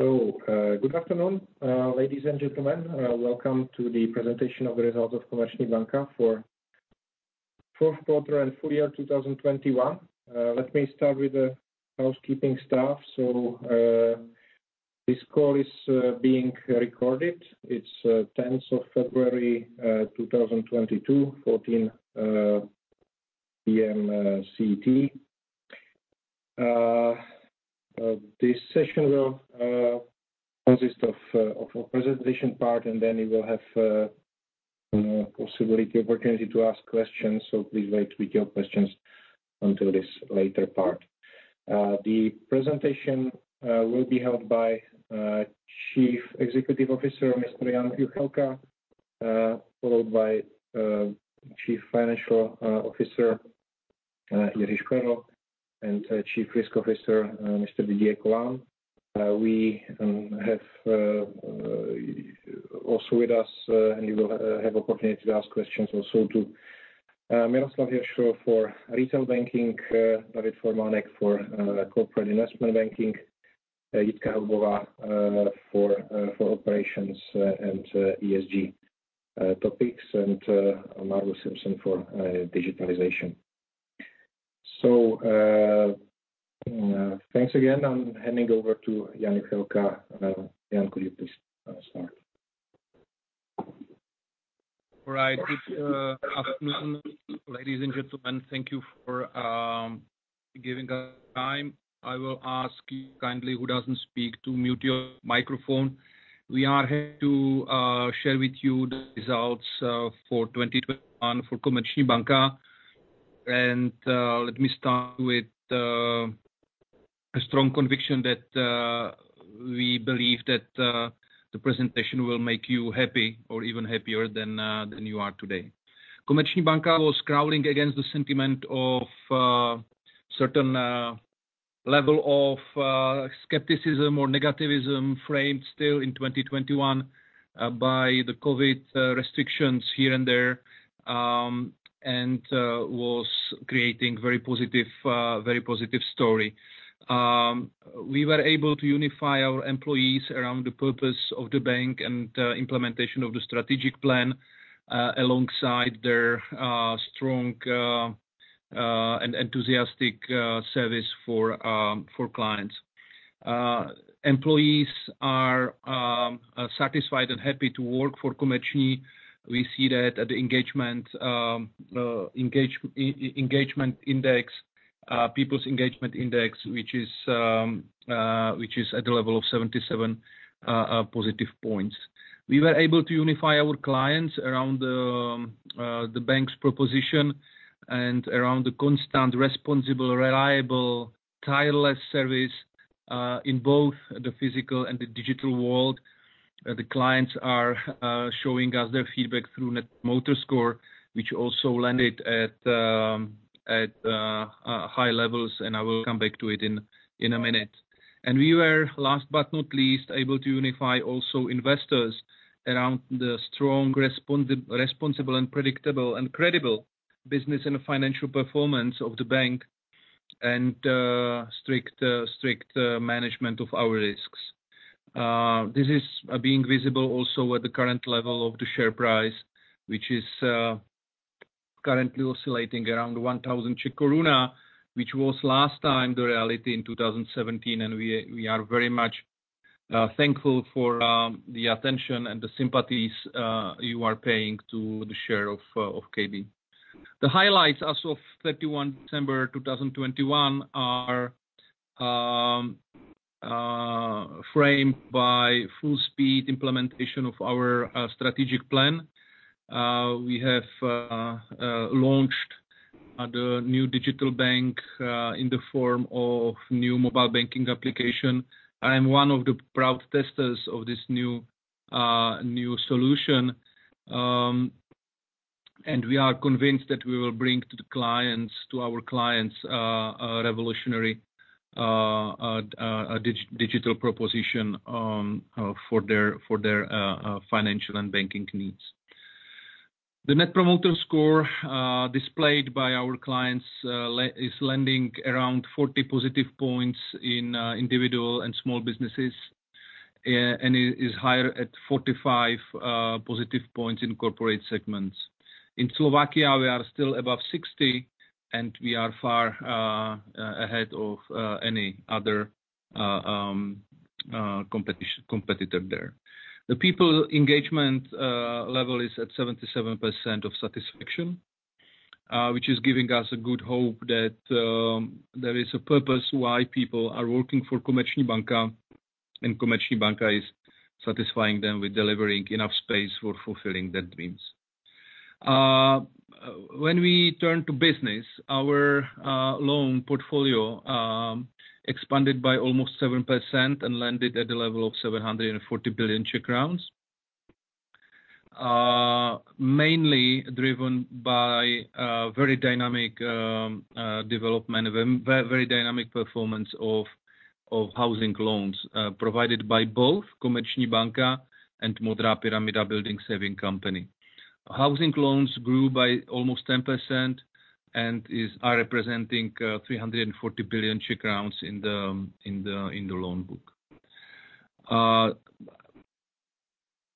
Good afternoon, ladies and gentlemen. Welcome to the presentation of the results of Komerční banka for fourth quarter and full year 2021. Let me start with the housekeeping stuff. This call is being recorded. It's 10th of February 2022, 2 P.M. CET. This session will consist of a presentation part, and then it will have possibility, opportunity to ask questions. Please wait with your questions until this later part. The presentation will be held by Chief Executive Officer, Mr. Jan Juchelka, followed by Chief Financial Officer, Jiří Šperl, and Chief Risk Officer, Mr. Didier Colin. We have also with us, and you will have opportunity to ask questions also to Miroslav Hiršl for retail banking, David Formánek for corporate investment banking, Jitka Haubová for operations and ESG topics, and Margus Simson for digitalization. Thanks again. I'm handing over to Jan Juchelka. Jan, could you please start? All right. Good afternoon, ladies and gentlemen. Thank you for giving us time. I will ask you kindly who doesn't speak to mute your microphone. We are here to share with you the results for 2021 for Komerční banka. Let me start with the strong conviction that we believe that the presentation will make you happy or even happier than you are today. Komerční banka was rowing against the sentiment of certain level of skepticism or negativism framed still in 2021 by the COVID restrictions here and there, and was creating very positive story. We were able to unify our employees around the purpose of the bank and implementation of the strategic plan, alongside their strong and enthusiastic service for clients. Employees are satisfied and happy to work for Komerční. We see that at the people's engagement index, which is at the level of 77 positive points. We were able to unify our clients around the bank's proposition and around the constant, responsible, reliable, tireless service in both the physical and the digital world. The clients are showing us their feedback through Net Promoter Score, which also landed at high levels, and I will come back to it in a minute. We were, last but not least, able to unify also investors around the strong responsible and predictable and credible business and financial performance of the bank and strict management of our risks. This is being visible also at the current level of the share price, which is currently oscillating around 1,000 which was last time the reality in 2017, and we are very much thankful for the attention and the sympathies you are paying to the share of KB. The highlights as of 31 December 2021 are framed by full speed implementation of our strategic plan. We have launched the new digital bank in the form of new mobile banking application. I am one of the proud testers of this new solution, and we are convinced that we will bring to the clients, to our clients, a revolutionary digital proposition, for their financial and banking needs. The Net Promoter Score displayed by our clients is landing around 40 positive points in individual and small businesses, and is higher at 45 positive points in corporate segments. In Slovakia, we are still above 60 and we are far ahead of any other competitor there. The people engagement level is at 77% of satisfaction, which is giving us a good hope that there is a purpose why people are working for Komerční banka, and Komerční banka is satisfying them with delivering enough space for fulfilling their dreams. When we turn to business, our loan portfolio expanded by almost 7% and landed at the level of 740 billion Czech crowns, mainly driven by very dynamic development of a very dynamic performance of housing loans provided by both Komerční banka and Modrá pyramida, a building savings company. Housing loans grew by almost 10% and are representing 340 billion in the loan book.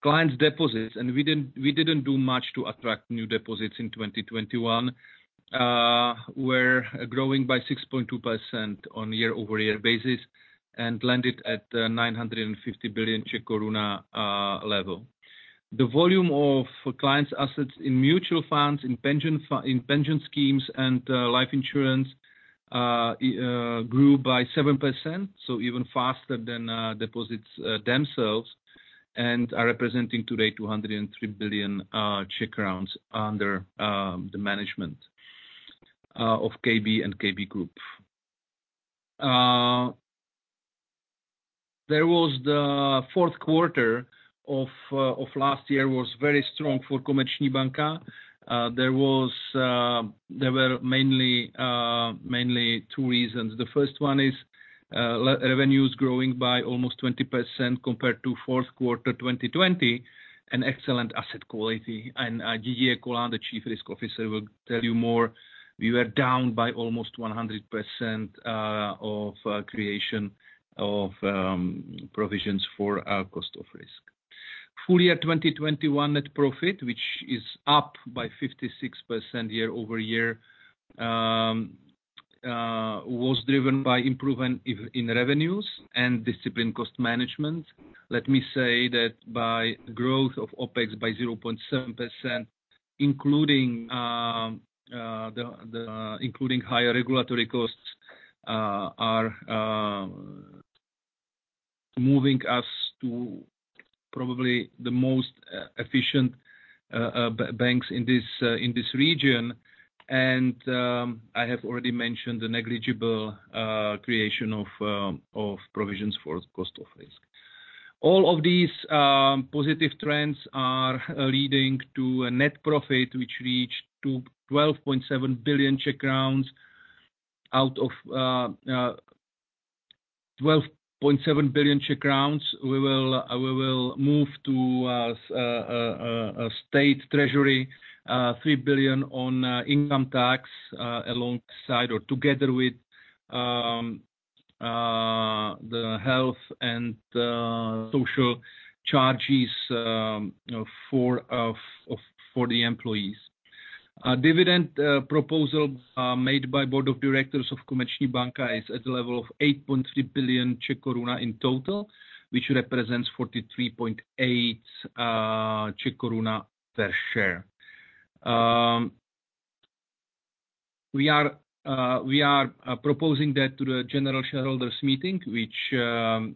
Client deposits and we didn't do much to attract new deposits in 2021. Were growing by 6.2% on year-over-year basis and landed at 950 billion Czech koruna level. The volume of clients assets in mutual funds, in pension schemes and life insurance grew by 7%, so even faster than deposits themselves, and are representing today 203 billion under the management of KB and KB Group. The fourth quarter of last year was very strong for Komerční banka. There were mainly two reasons. The first one is revenues growing by almost 20% compared to fourth quarter 2020 and excellent asset quality. Didier Colin, the Chief Risk Officer, will tell you more. We were down by almost 100% of creation of provisions for our cost of risk. Full year 2021 net profit, which is up by 56% year-over-year, was driven by improvement in revenues and disciplined cost management. Let me say that by growth of OpEx by 0.7%, including higher regulatory costs, are moving us to probably the most efficient banks in this region. I have already mentioned the negligible creation of provisions for cost of risk. All of these positive trends are leading to a net profit, which reached to 12.7 billion Czech crowns. Out of 12.7 billion Czech crowns, we will move to a state treasury 3 billion on income tax alongside or together with the health and social charges, you know, for the employees. Our dividend proposal made by Board of Directors of Komerční banka is at the level of 8.3 billion Czech koruna in total which represents 43.8 Czech koruna per share. We are proposing that to the General Shareholders Meeting, which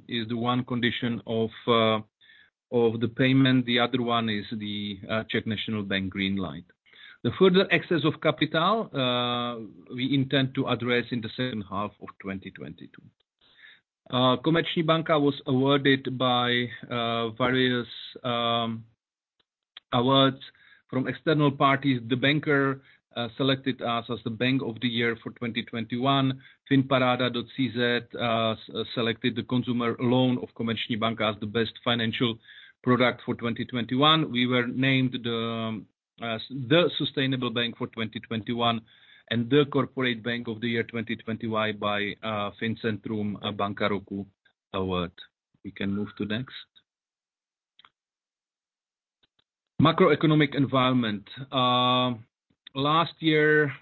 is the one condition of the payment. The other one is the Czech National Bank green light. The further excess of capital we intend to address in the second half of 2022. Komerční banka was awarded various awards from external parties. The Banker selected us as the bank of the year for 2021. Finparáda.cz selected the consumer loan of Komerční banka as the best financial product for 2021. We were named the sustainable bank for 2021 and the corporate bank of the year 2020 by Fincentrum Banka roku Award. We can move to next. Macroeconomic environment. Last year,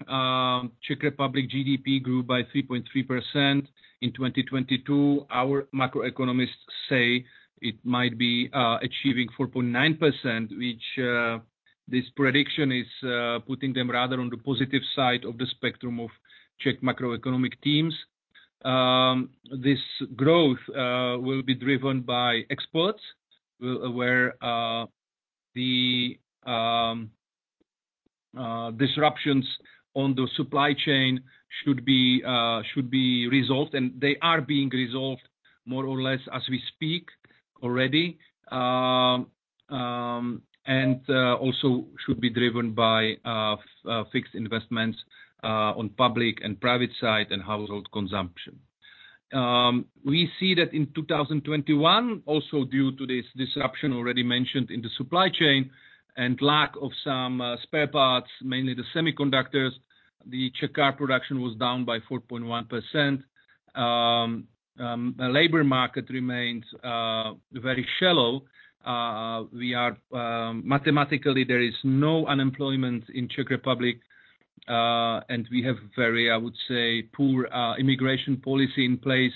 Czech Republic GDP grew by 3.3%. In 2022, our macroeconomists say it might be achieving 4.9%, which this prediction is putting them rather on the positive side of the spectrum of Czech macroeconomic teams. This growth will be driven by exports where the disruptions on the supply chain should be resolved. And they are being resolved more or less as we speak already. And also by fixed investments on public and private side and household consumption. We see that in 2021, also due to this disruption already mentioned in the supply chain and lack of some spare parts, mainly the semiconductors, the Czech car production was down by 4.1%. The labor market remains very shallow. Mathematically, there is no unemployment in the Czech Republic and we have very, I would say, poor immigration policy in place.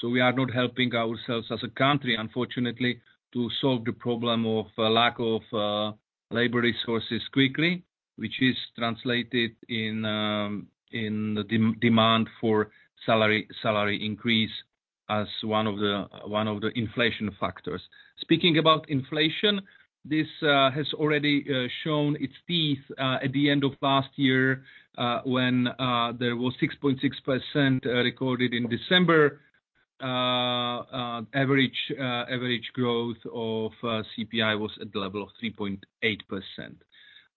So we are not helping ourselves as a country, unfortunately, to solve the problem of lack of labor resources quickly, which is translated in the demand for salary increase as one of the inflation factors. Speaking about inflation, this has already shown its teeth at the end of last year when there was 6.6% recorded in December. Average growth of CPI was at the level of 3.8%.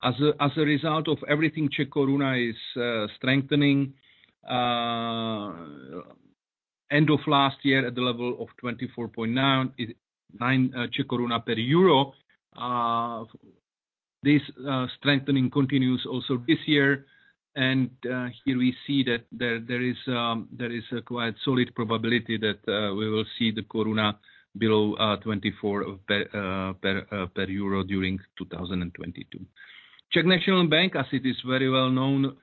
As a result of everything, Czech koruna is strengthening. End of last year at the level of 24.9 per euro. This strengthening continues also this year. Here we see that there is a quite solid probability that we will see the koruna below 24 per euro during 2022. Czech National Bank, as it is very well known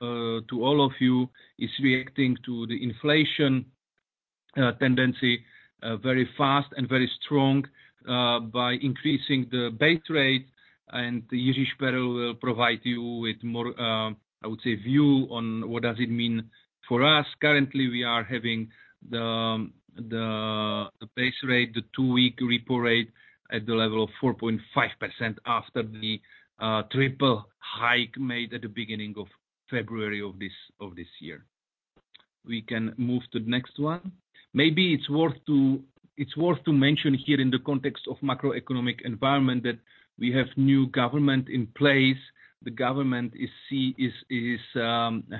to all of you, is reacting to the inflation tendency very fast and very strong by increasing the base rate. Jiří Šperl will provide you with more, I would say, view on what does it mean for us. Currently, we are having the base rate, the two-week repo rate at the level of 4.5% after the triple hike made at the beginning of February of this year. We can move to the next one. Maybe it's worth to mention here in the context of macroeconomic environment that we have new government in place. The government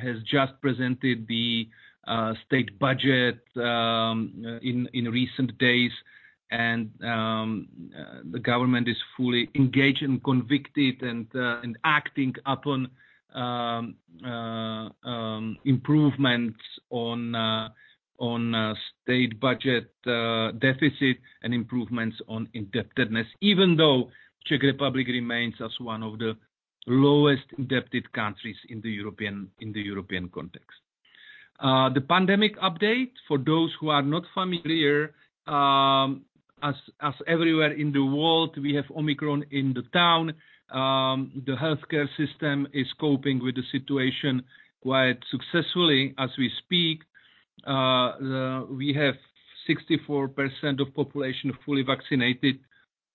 has just presented the state budget in recent days. The government is fully engaged and committed and acting upon improvements on state budget deficit and improvements on indebtedness, even though Czech Republic remains as one of the lowest indebted countries in the European context. The pandemic update for those who are not familiar, as everywhere in the world, we have Omicron in the town. The healthcare system is coping with the situation quite successfully as we speak. We have 64% of the population fully vaccinated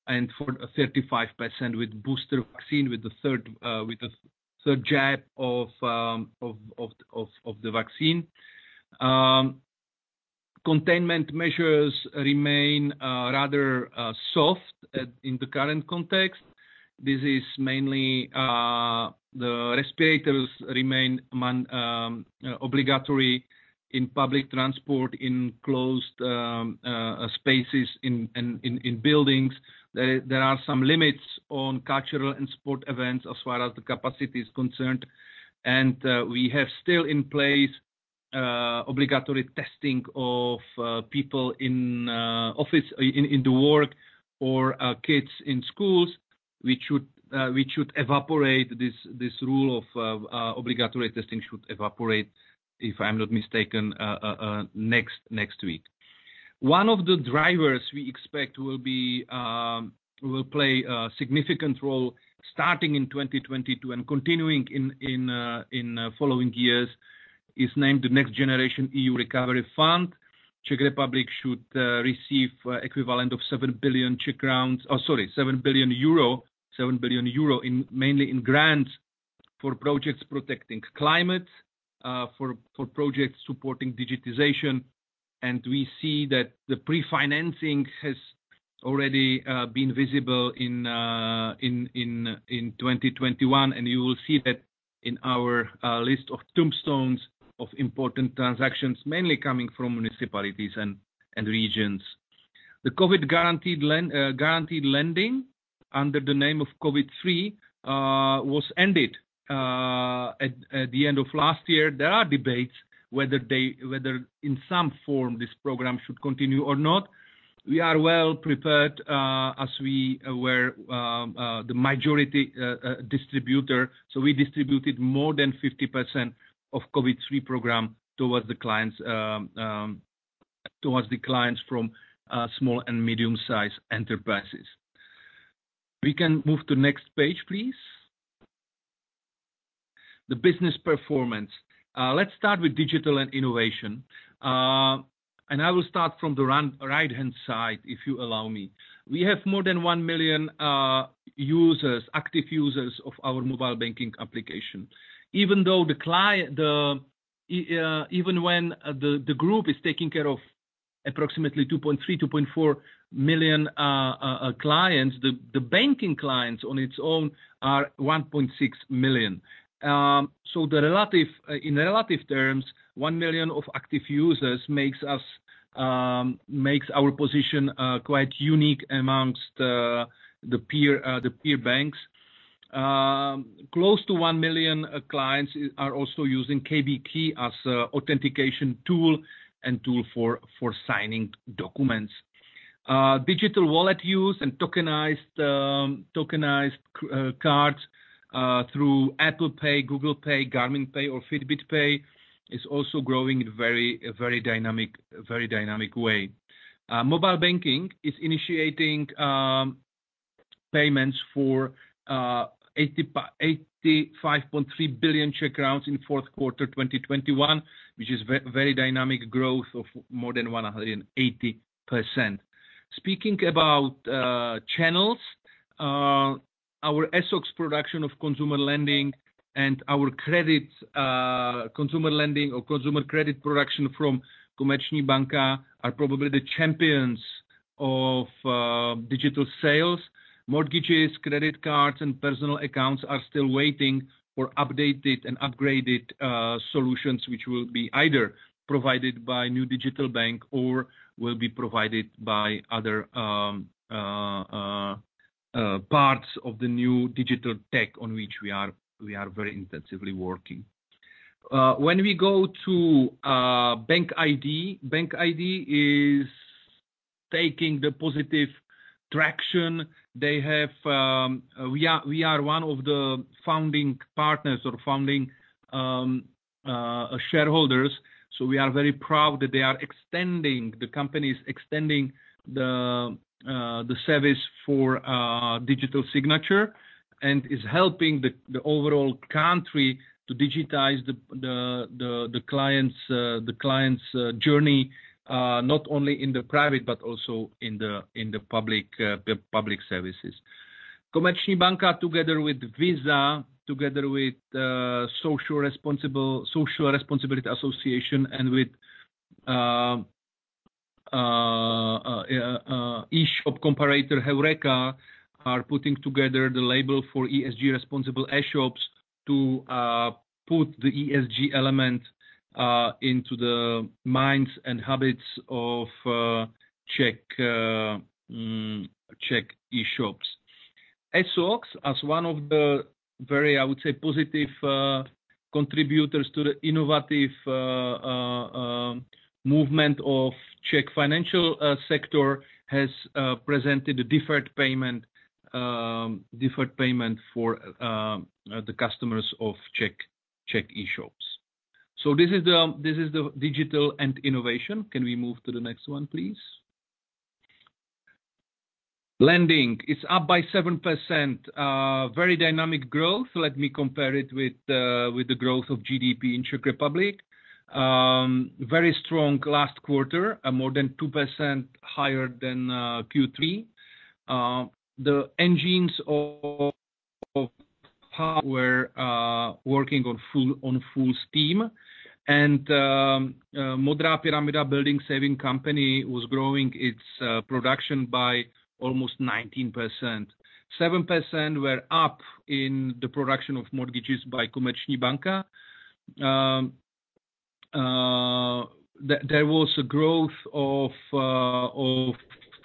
and 35% with the booster vaccine, with the third jab of the vaccine. Containment measures remain rather soft in the current context. This is mainly masks remain mandatory in public transport in closed spaces in buildings. There are some limits on cultural and sport events as far as the capacity is concerned. We still have in place obligatory testing of people at work or kids in schools which should evaporate, if I'm not mistaken, next week. One of the drivers we expect will play a significant role starting in 2022 and continuing in following years is named NextGenerationEU. Czech Republic should receive equivalent of 7 billion Czech crowns. Oh, sorry, 7 billion euro, mainly in grants for projects protecting climate, for projects supporting digitization. We see that the pre-financing has already been visible in 2021. You will see that in our list of tombstones of important transactions, mainly coming from municipalities and regions. The COVID guaranteed lending under the name of COVID III was ended at the end of last year. There are debates whether in some form this program should continue or not. We are well prepared as we were the majority distributor. We distributed more than 50% of the COVID III program towards the clients from small and medium-sized enterprises. We can move to next page, please. The business performance. Let's start with digital and innovation. I will start from the bottom right-hand side, if you allow me. We have more than one million active users of our mobile banking application. Even though the group is taking care of approximately 2.3 million-2.4 million clients, the banking clients on its own are 1.6 million. In relative terms, one million active users makes our position quite unique among the peer banks. Close to one million clients are also using KB Klíč as an authentication tool for signing documents. Digital wallet use and tokenized cards through Apple Pay, Google Pay, Garmin Pay, or Fitbit Pay is also growing in a very dynamic way. Mobile banking is initiating payments for 85.3 billion Czech crowns in fourth quarter 2021, which is very dynamic growth of more than 180%. Speaking about channels, our ESSOX production of consumer lending and our consumer lending or consumer credit production from Komerční banka are probably the champions of digital sales. Mortgages, credit cards, and personal accounts are still waiting for updated and upgraded solutions, which will be either provided by new digital bank or will be provided by other parts of the new digital tech on which we are very intensively working. When we go to BankID. BankID is gaining positive traction. We are one of the founding partners or founding shareholders. We are very proud that the company is extending the service for digital signature and is helping the overall country to digitize the clients' journey, not only in the private but also in the public services. Komerční banka, together with Visa, with Association of Social Responsibility and with e-shop comparator Heureka, are putting together the label for ESG responsible e-shops to put the ESG element into the minds and habits of Czech e-shops. ESSOX, as one of the very positive contributors to the innovative movement of Czech financial sector, has presented a deferred payment for the customers of Czech e-shops. This is the digital and innovation. Can we move to the next one, please? Lending. It's up by 7%. Very dynamic growth. Let me compare it with the growth of GDP in Czech Republic. Very strong last quarter, more than 2% higher than Q3. The engines of how we're working on full steam. Modrá pyramida building savings company was growing its production by almost 19%. 7% were up in the production of mortgages by Komerční banka. There was a growth of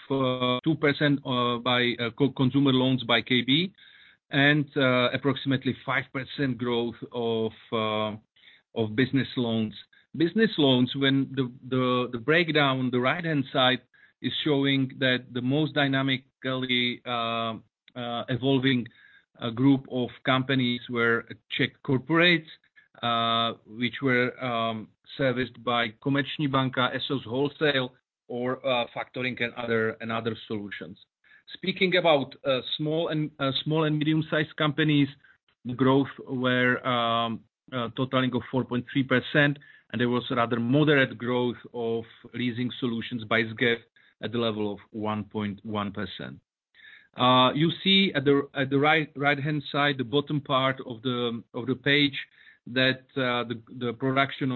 2% by consumer loans by KB and approximately 5% growth of business loans. Business loans, the breakdown on the right-hand side is showing that the most dynamically evolving group of companies were Czech corporates, which were serviced by Komerční banka, ESSOX wholesale or factoring and other solutions. Speaking about small and medium-sized companies, growth were totaling of 4.3%, and there was rather moderate growth of leasing solutions by SGEF at the level of 1.1%. You see at the right-hand side, the bottom part of the page that the production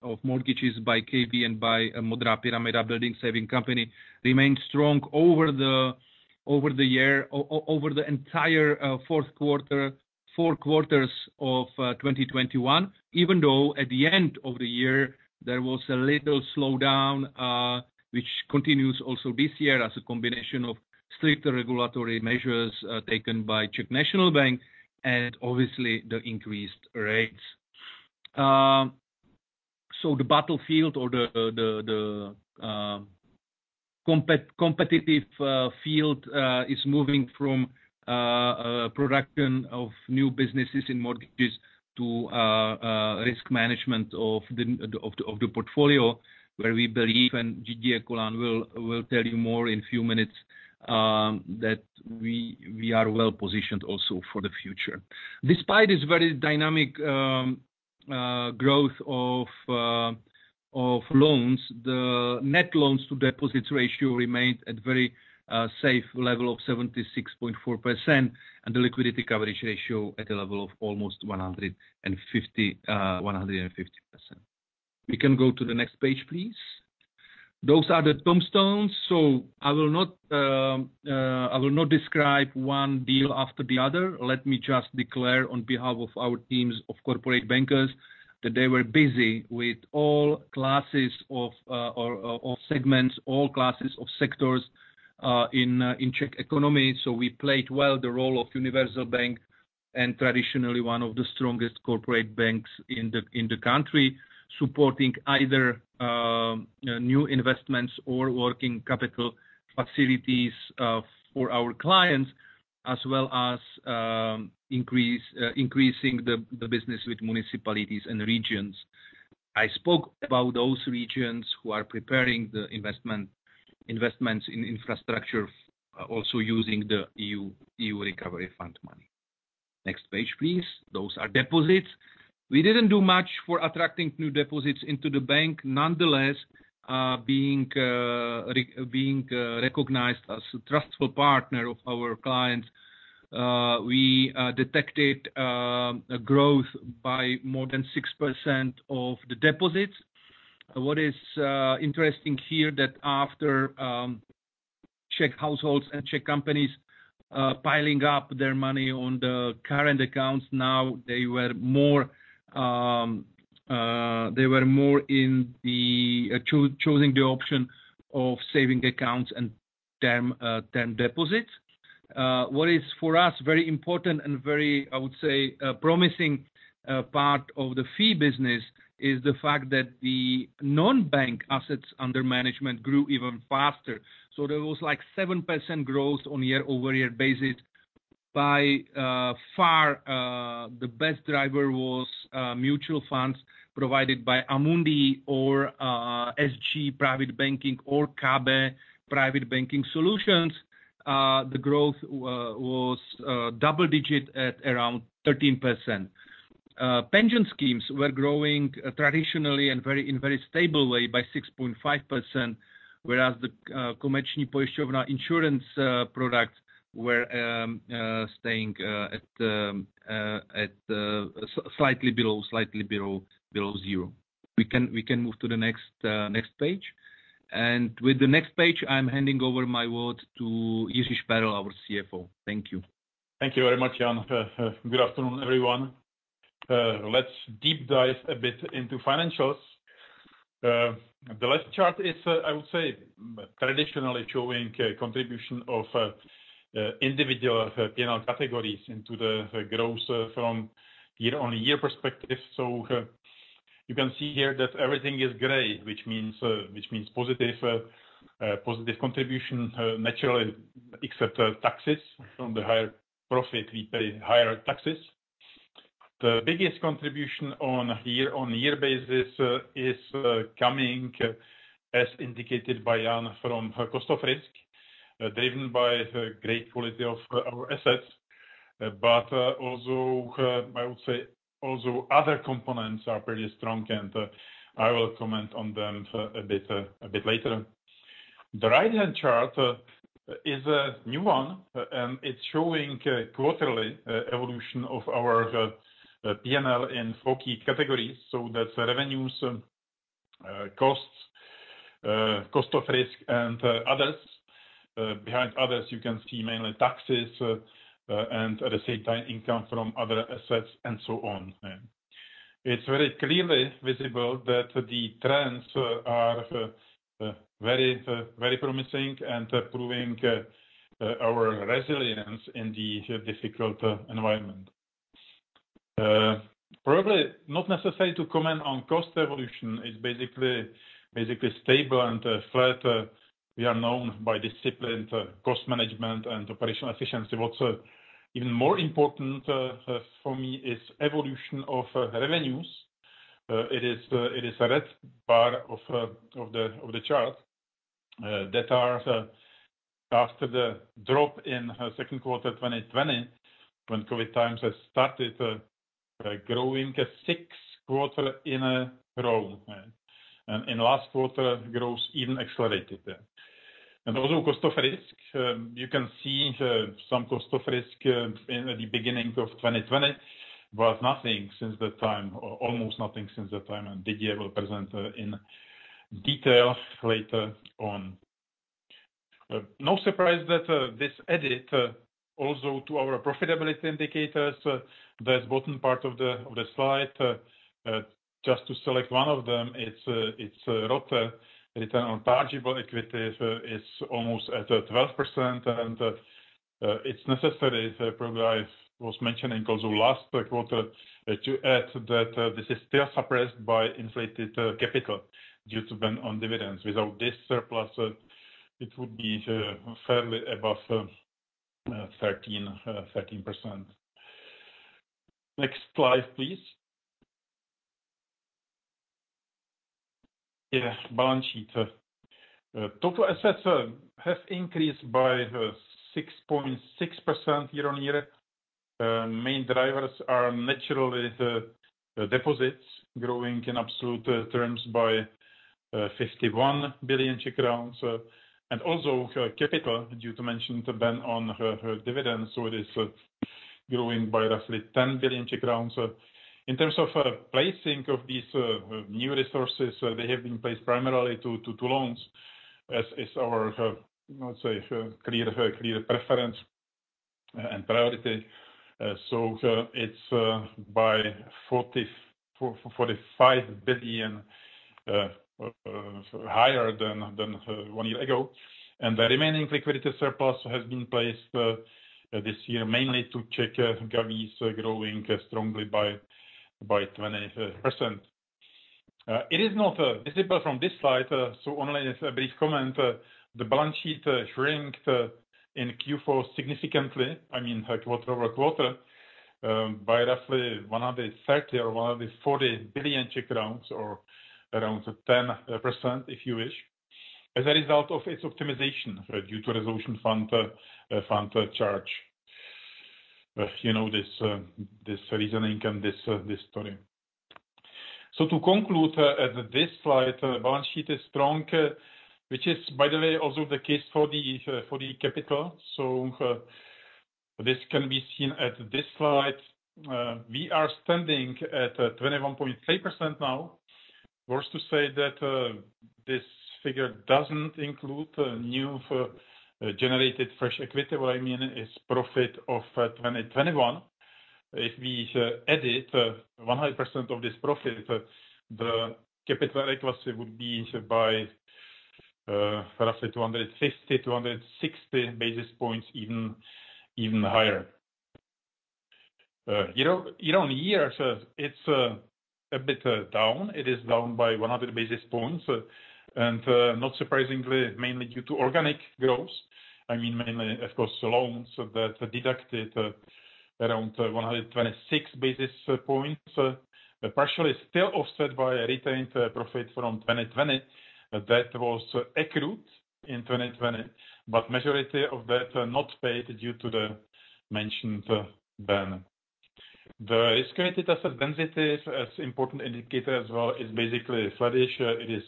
of mortgages by KB and by Modrá pyramida building saving company remained strong over the year, over the entire four quarters of 2021, even though at the end of the year, there was a little slowdown, which continues also this year as a combination of stricter regulatory measures taken by Czech National Bank and obviously the increased rates. The battlefield or the competitive field is moving from production of new businesses in mortgages to risk management of the portfolio, where we believe, and will tell you more in a few minutes, that we are well-positioned also for the future. Despite this very dynamic growth of loans, the net loans to deposits ratio remained at very safe level of 76.4%, and the liquidity coverage ratio at a level of almost 150%. We can go to the next page, please. Those are the tombstones, so I will not describe one deal after the other. Let me just declare on behalf of our teams of corporate bankers that they were busy with all classes of sectors in Czech economy. We played well the role of universal bank and traditionally one of the strongest corporate banks in the country. Supporting either new investments or working capital facilities for our clients, as well as increasing the business with municipalities and regions. I spoke about those regions who are preparing the investments in infrastructure also using the EU recovery fund money. Next page, please. Those are deposits. We didn't do much for attracting new deposits into the bank. Nonetheless, being recognized as a trusted partner of our clients, we detected a growth by more than 6% of the deposits. What is interesting here is that after Czech households and Czech companies piling up their money on the current accounts now, they were more choosing the option of saving accounts and term deposits. What is for us very important and very, I would say, promising part of the fee business is the fact that the non-bank assets under management grew even faster. So there was like 7% growth on year-over-year basis. By far the best driver was mutual funds provided by Amundi or SG Private Banking or KB Private Banking Solutions. The growth was double-digit at around 13%. Pension schemes were growing traditionally in a very stable way by 6.5% whereas the Komerční pojišťovna insurance product were staying at slightly below zero. We can move to the next page. With the next page, I'm handing over the word to Jiri Sperl, our CFO. Thank you. Thank you very much, Jan. Good afternoon, everyone. Let's deep dive a bit into financials. The last chart is, I would say, traditionally showing contribution of individual P&L categories into the growth from year-on-year perspective. You can see here that everything is gray, which means positive contribution, naturally except taxes. From the higher profit, we pay higher taxes. The biggest contribution on a year-on-year basis is coming, as indicated by Jan, from cost of risk, driven by the great quality of our assets. Also, I would say other components are pretty strong, and I will comment on them a bit later. The right-hand chart is a new one, and it's showing quarterly evolution of our P&L in four key categories. That's revenues, costs, cost of risk, and others. Behind others, you can see mainly taxes, and at the same time income from other assets and so on. It's very clearly visible that the trends are very promising and proving our resilience in the difficult environment. Probably not necessary to comment on cost evolution. It's basically stable and flat. We are known by disciplined cost management and operational efficiency. What's even more important for me is evolution of revenues. It is a red part of the chart that are after the drop in second quarter 2020 when COVID times has started growing a sixth quarter in a row. In last quarter, growth even accelerated. Also cost of risk, you can see some cost of risk in the beginning of 2020, but nothing since that time, or almost nothing since that time. Didier will present in detail later on. No surprise that this added also to our profitability indicators, the bottom part of the slide. Just to select one of them, it's ROTE, return on tangible equity, so it's almost at 12%. It's necessary, probably I was mentioning also last quarter, to add that this is still suppressed by inflated capital due to ban on dividends. Without this surplus, it would be fairly above 13%. Next slide, please. Yeah, balance sheet. Total assets have increased by 6.6% year-on-year. Main drivers are naturally the deposits growing in absolute terms by 51 billion Czech crowns. Also capital, due to mentioned ban on dividends, so it is growing by roughly 10 billion Czech crowns. In terms of placing of these new resources, they have been placed primarily to loans, as is our, let's say, clear preference and priority. So it's by 45 billion higher than one year ago. The remaining liquidity surplus has been placed this year mainly to Czech govies growing strongly by 20%. It is not visible from this slide, so only a brief comment. The balance sheet shrank in Q4 significantly, I mean, like quarter-over-quarter, by roughly 130 billion or 140 billion or around 10%, if you wish, as a result of its optimization due to resolution fund charge. You know, this reasoning and this story. To conclude, at this slide, balance sheet is strong, which is, by the way, also the case for the capital. This can be seen at this slide. We are standing at 21.3% now. It's worth saying that, this figure doesn't include new generated fresh equity. What I mean is profit of 2021. If we edit 100% of this profit, the capital adequacy would be by roughly 250 basis points-260 basis points even higher. Year-on-year, it's a bit down. It is down by 100 basis points. Not surprisingly, mainly due to organic growth. I mean, mainly, of course, loans that deducted around 126 basis points. The pressure is still offset by retained profit from 2020. That was accrued in 2020, but majority of that not paid due to the mentioned ban. The risk-weighted asset density is important indicator as well is basically flattish. It is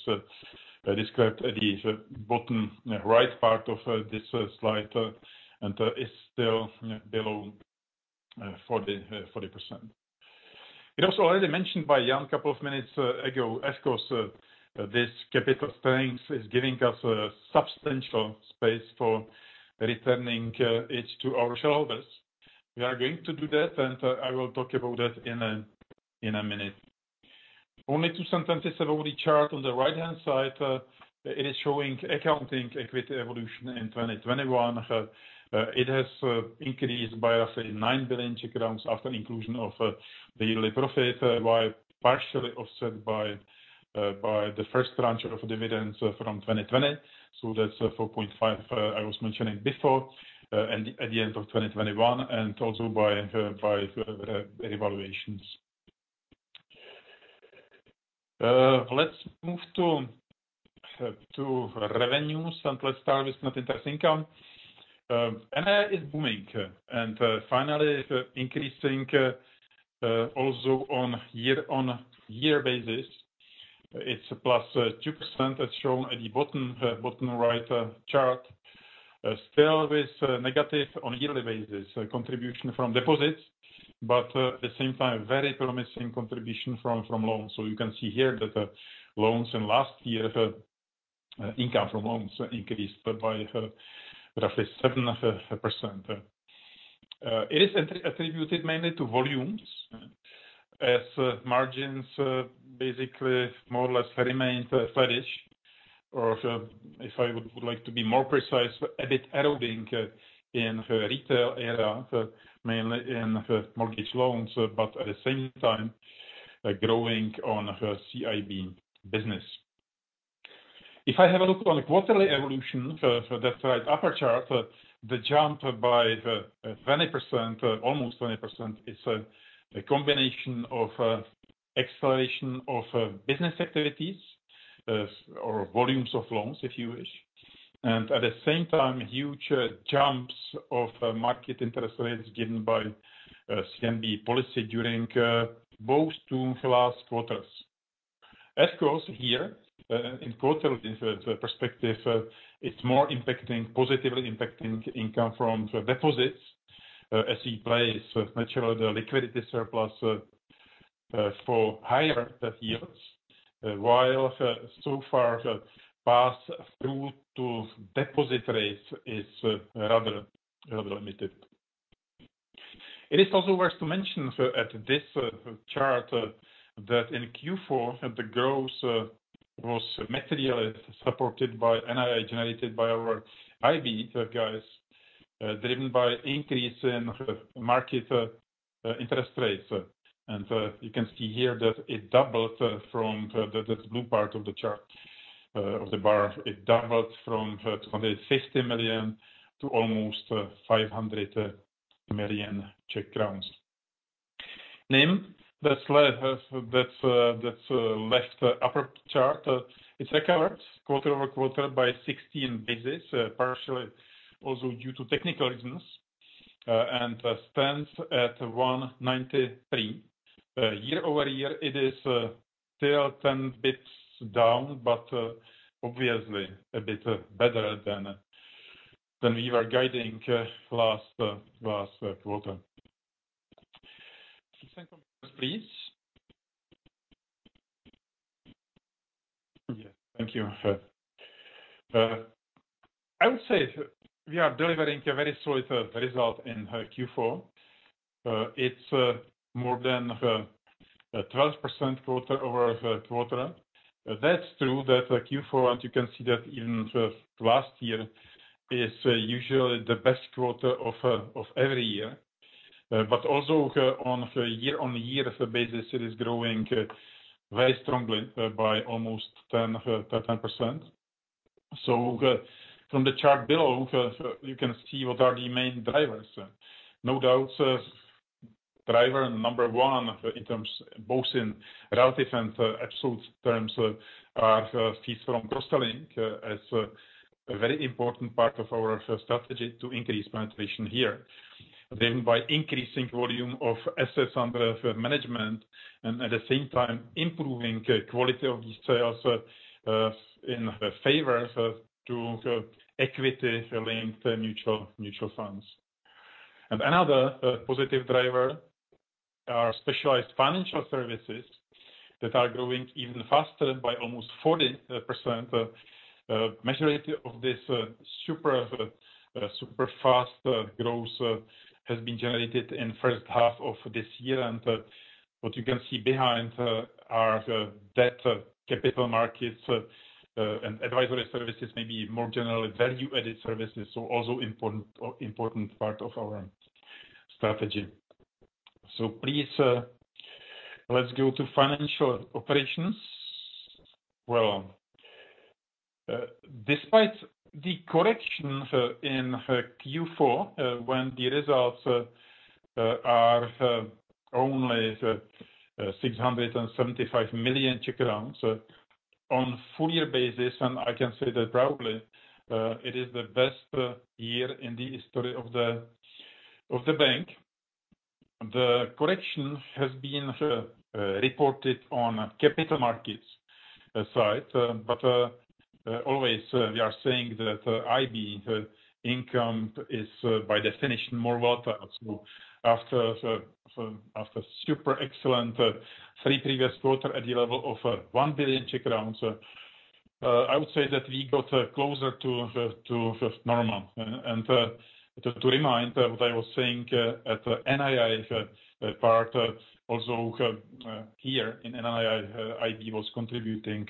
described at the bottom right part of this slide and is still below 40%. It was already mentioned by Jan a couple of minutes ago. Of course, this capital strength is giving us a substantial space for returning it to our shareholders. We are going to do that and I will talk about that in a minute. Only two sentences about the chart on the right-hand side. It is showing accounting equity evolution in 2021. It has increased by, say, 9 billion Czech crowns after inclusion of the yearly profit, while partially offset by the first tranche of dividends from 2020. So that's 4.5 billion, I was mentioning before, at the end of 2021, and also by evaluations. Let's move to revenues, and let's start with net interest income. NII is booming and finally increasing, also on year-on-year basis. It's +2% as shown at the bottom right chart. Still with negative on a yearly basis contribution from deposits, but at the same time very promising contribution from loans. You can see here that loans in last year income from loans increased by roughly 7%. It is attributed mainly to volumes as margins basically more or less remained flattish. Or if I would like to be more precise, a bit eroding in retail area, mainly in mortgage loans, but at the same time, growing on CIB business. If I have a look on quarterly evolution for that right upper chart, the jump by 20%, almost 20%, is a combination of acceleration of business activities or volumes of loans, if you wish. At the same time, huge jumps of market interest rates given by CNB policy during both the last two quarters. Of course, here in quarter perspective, it's more impacting, positively impacting income from deposits as we place natural liquidity surplus for higher yields, while so far pass-through to deposit rates is rather limited. It is also worth to mention at this chart that in Q4 the growth was materially supported by NII generated by our IB guys, driven by increase in market interest rates. You can see here that it doubled from the blue part of the chart of the bar. It doubled from 250 million to almost 500 million Czech crowns. NIM, that's the left upper chart. It's recovered quarter-over-quarter by 16 basis points, partially also due to technical reasons, and stands at 193. Year over year, it is still 10 basis points down, but obviously a bit better than we were guiding last quarter. Next slide, please. Yeah, thank you. I would say we are delivering a very solid result in Q4. It's more than 12% quarter-over-quarter. That's true that Q4, and you can see that even last year, is usually the best quarter of every year. But also on a year-over-year basis it is growing very strongly by almost 10%. From the chart below, you can see what are the main drivers. No doubts, driver number one in terms both in relative and absolute terms are fees from cross-selling. It's a very important part of our strategy to increase penetration here. By increasing volume of assets under management and at the same time improving quality of these sales in favor to equity linked mutual funds. Another positive driver are specialized financial services that are growing even faster by almost 40%. Majority of this super fast growth has been generated in first half of this year. What you can see behind are the Debt Capital Markets and advisory services, maybe more generally value-added services. Also important part of our strategy. Please, let's go to financial operations. Well, despite the correction in Q4, when the results are only 675 million Czech crowns on a full year basis, and I can say that probably it is the best year in the history of the bank. The correction has been reported on capital markets side. Always we are saying that IB income is by definition more volatile. After super excellent three previous quarter at the level of 1 billion Czech crowns, I would say that we got closer to normal. To remind what I was saying at NII part also here, in NII, IB was contributing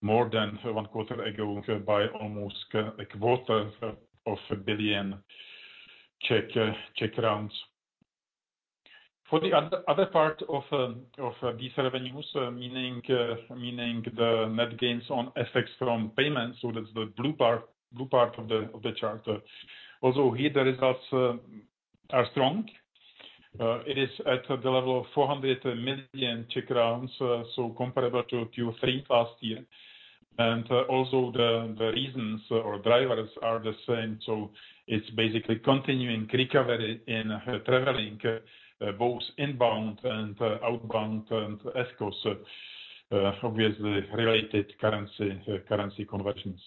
more than one quarter ago by almost a quarter of a billion CZK. For the other part of these revenues, meaning the net gains on effects from payments. That's the blue part of the chart. Also here the results are strong. It is at the level of 400 million Czech crowns, so comparable to Q3 last year. The reasons or drivers are the same. It's basically continuing recovery in traveling, both inbound and outbound. Of course, obviously related currency conversions.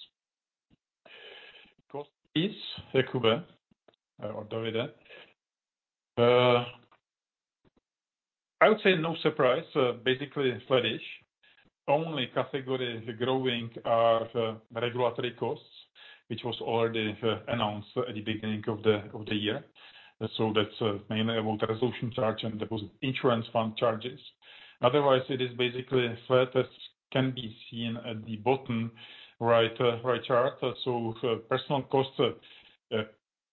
Cost base, Kuba or David Formánek. I would say no surprise. Basically flattish. Only category growing are regulatory costs which was already announced at the beginning of the year. That's mainly about resolution charge and insurance fund charges. Otherwise it is basically flat, as can be seen at the bottom right chart. Personal costs are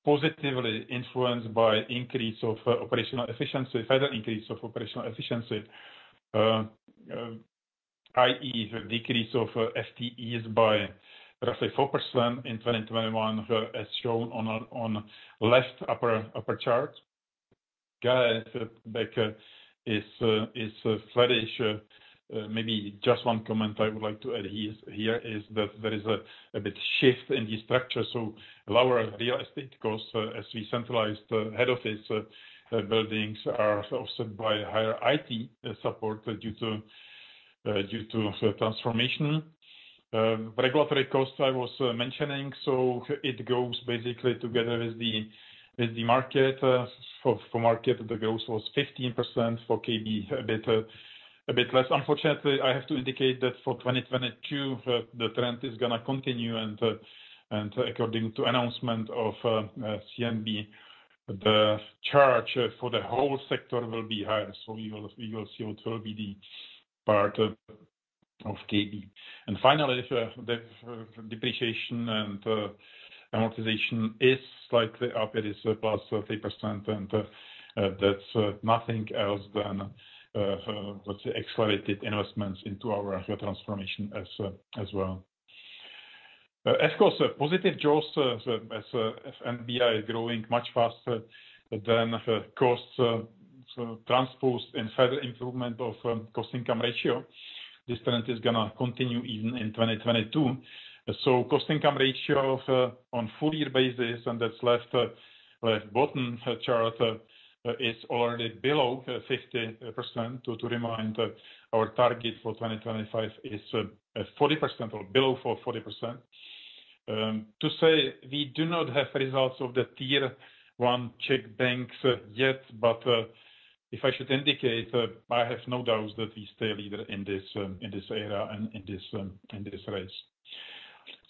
positively influenced by increase of operational efficiency, further increase of operational efficiency, i.e., decrease of FTEs by roughly 4% in 2021, as shown on left upper chart. G&A bank is flattish. Maybe just one comment I would like to add here is that there is a bit shift in the structure, so lower real estate costs as we centralized head office buildings are offset by higher IT support due to transformation. Regulatory costs I was mentioning, so it goes basically together with the market. For market the growth was 15%, for KB a bit less. Unfortunately, I have to indicate that for 2022 the trend is going to continue. According to announcement of CNB the charge for the whole sector will be higher. You will see it will be the part of KB. Finally, the depreciation and amortization is slightly up. It is +3%. That's nothing else than let's say accelerated investments into our transformation as well. Of course, positive jaws as FNB is growing much faster than costs, so this and further improvement of cost-income ratio. This trend is going to continue even in 2022. Cost-income ratio on full year basis and that's the left bottom chart is already below 50%. To remind our target for 2025 is 40% or below 40%. To say we do not have results of the tier one Czech banks yet. If I should indicate, I have no doubts that we stay leader in this area and in this race.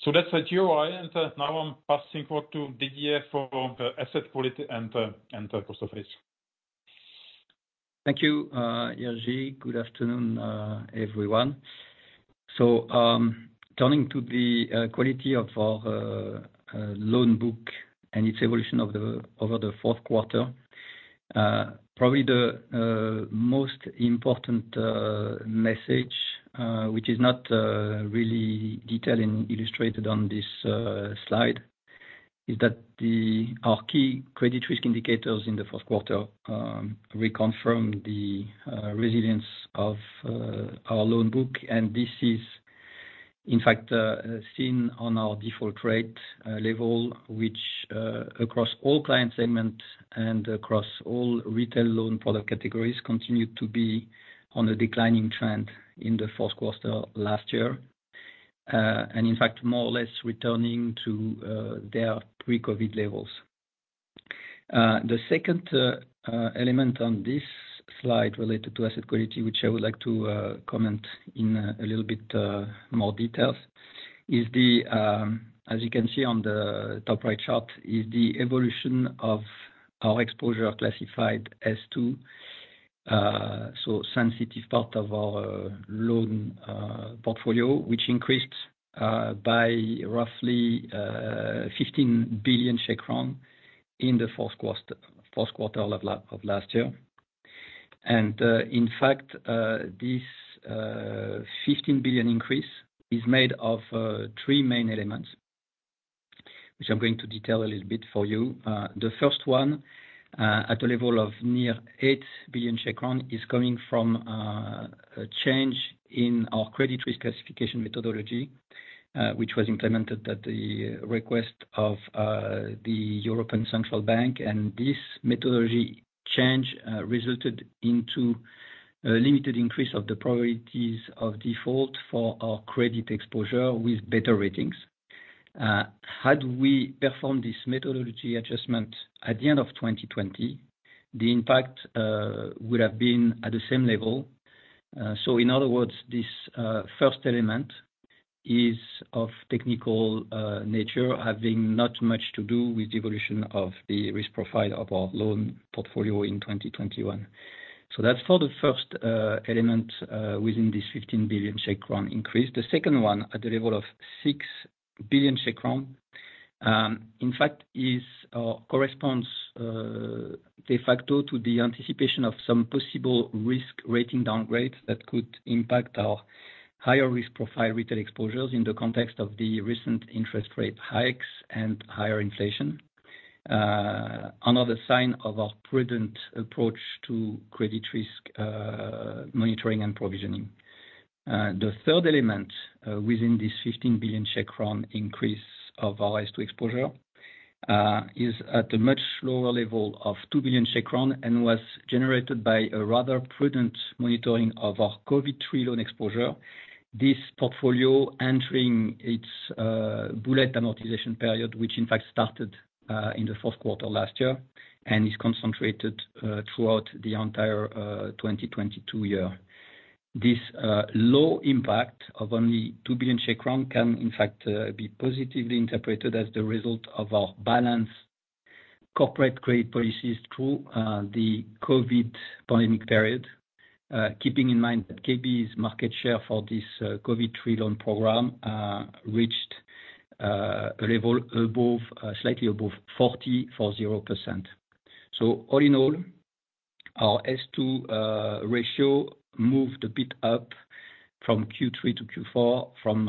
That's a GUI. Now I'm passing the floor to Didier for asset quality and cost of risk. Thank you, Jiří. Good afternoon, everyone. Turning to the quality of our loan book and its evolution over the fourth quarter. Probably the most important message, which is not really detailed and illustrated on this slide, is that our key credit risk indicators in the fourth quarter reconfirm the resilience of our loan book. This is in fact seen on our default rate level, which across all client segments and across all retail loan product categories continue to be on a declining trend in the fourth quarter last year. In fact, more or less returning to their pre-COVID levels. The second element on this slide related to asset quality, which I would like to comment in a little bit more details, is, as you can see on the top right chart, the evolution of our exposure classified as two, so sensitive part of our loan portfolio, which increased by roughly 15 billion in the fourth quarter of last year. In fact, this 15 billion increase is made of three main elements, which I'm going to detail a little bit for you. The first one, at the level of near 8 billion Czech crown, is coming from a change in our credit risk classification methodology, which was implemented at the request of the European Central Bank. This methodology change resulted into a limited increase of the probabilities of default for our credit exposure with better ratings. Had we performed this methodology adjustment at the end of 2020, the impact would have been at the same level. In other words, this first element is of technical nature having not much to do with the evolution of the risk profile of our loan portfolio in 2021. That's for the first element within this 15 billion Czech crown increase. The second one, at the level of 6 billion Czech crown, in fact is corresponds de facto to the anticipation of some possible risk rating downgrades that could impact our higher risk profile retail exposures in the context of the recent interest rate hikes and higher inflation. Another sign of our prudent approach to credit risk monitoring and provisioning. The third element within this 15 billion increase of our S2 exposure is at a much lower level of 2 billion, and was generated by a rather prudent monitoring of our COVID III loan exposure. This portfolio entering its bullet amortization period, which in fact started in the fourth quarter last year, and is concentrated throughout the entire 2022 year. This low impact of only 2 billion Czech crown can in fact be positively interpreted as the result of our balanced corporate credit policies through the COVID pandemic period. Keeping in mind that KB's market share for this COVID III loan program reached a level above, slightly above 44.0%. All in all, our S2 ratio moved a bit up from Q3 to Q4, from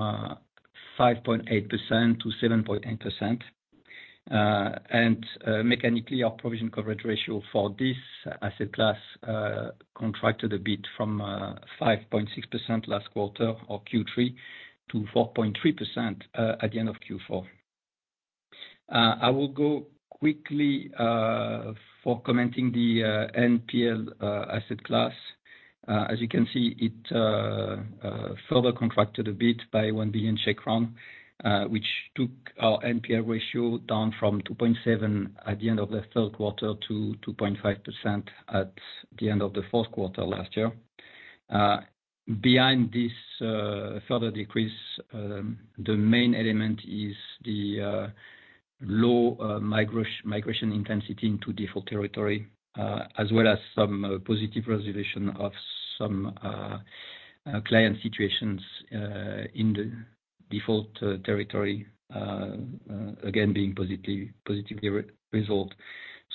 5.8%-7.8%. Mechanically, our provision coverage ratio for this asset class contracted a bit from 5.6% last quarter or Q3 to 4.3% at the end of Q4. I will go quickly for commenting the NPL asset class. As you can see, it further contracted a bit by 1 billion Czech crown, which took our NPL ratio down from 2.7% at the end of the third quarter to 2.5% at the end of the fourth quarter last year. Behind this further decrease, the main element is the low migration intensity into default territory, as well as some positive resolution of some client situations in the default territory, again being positively resolved.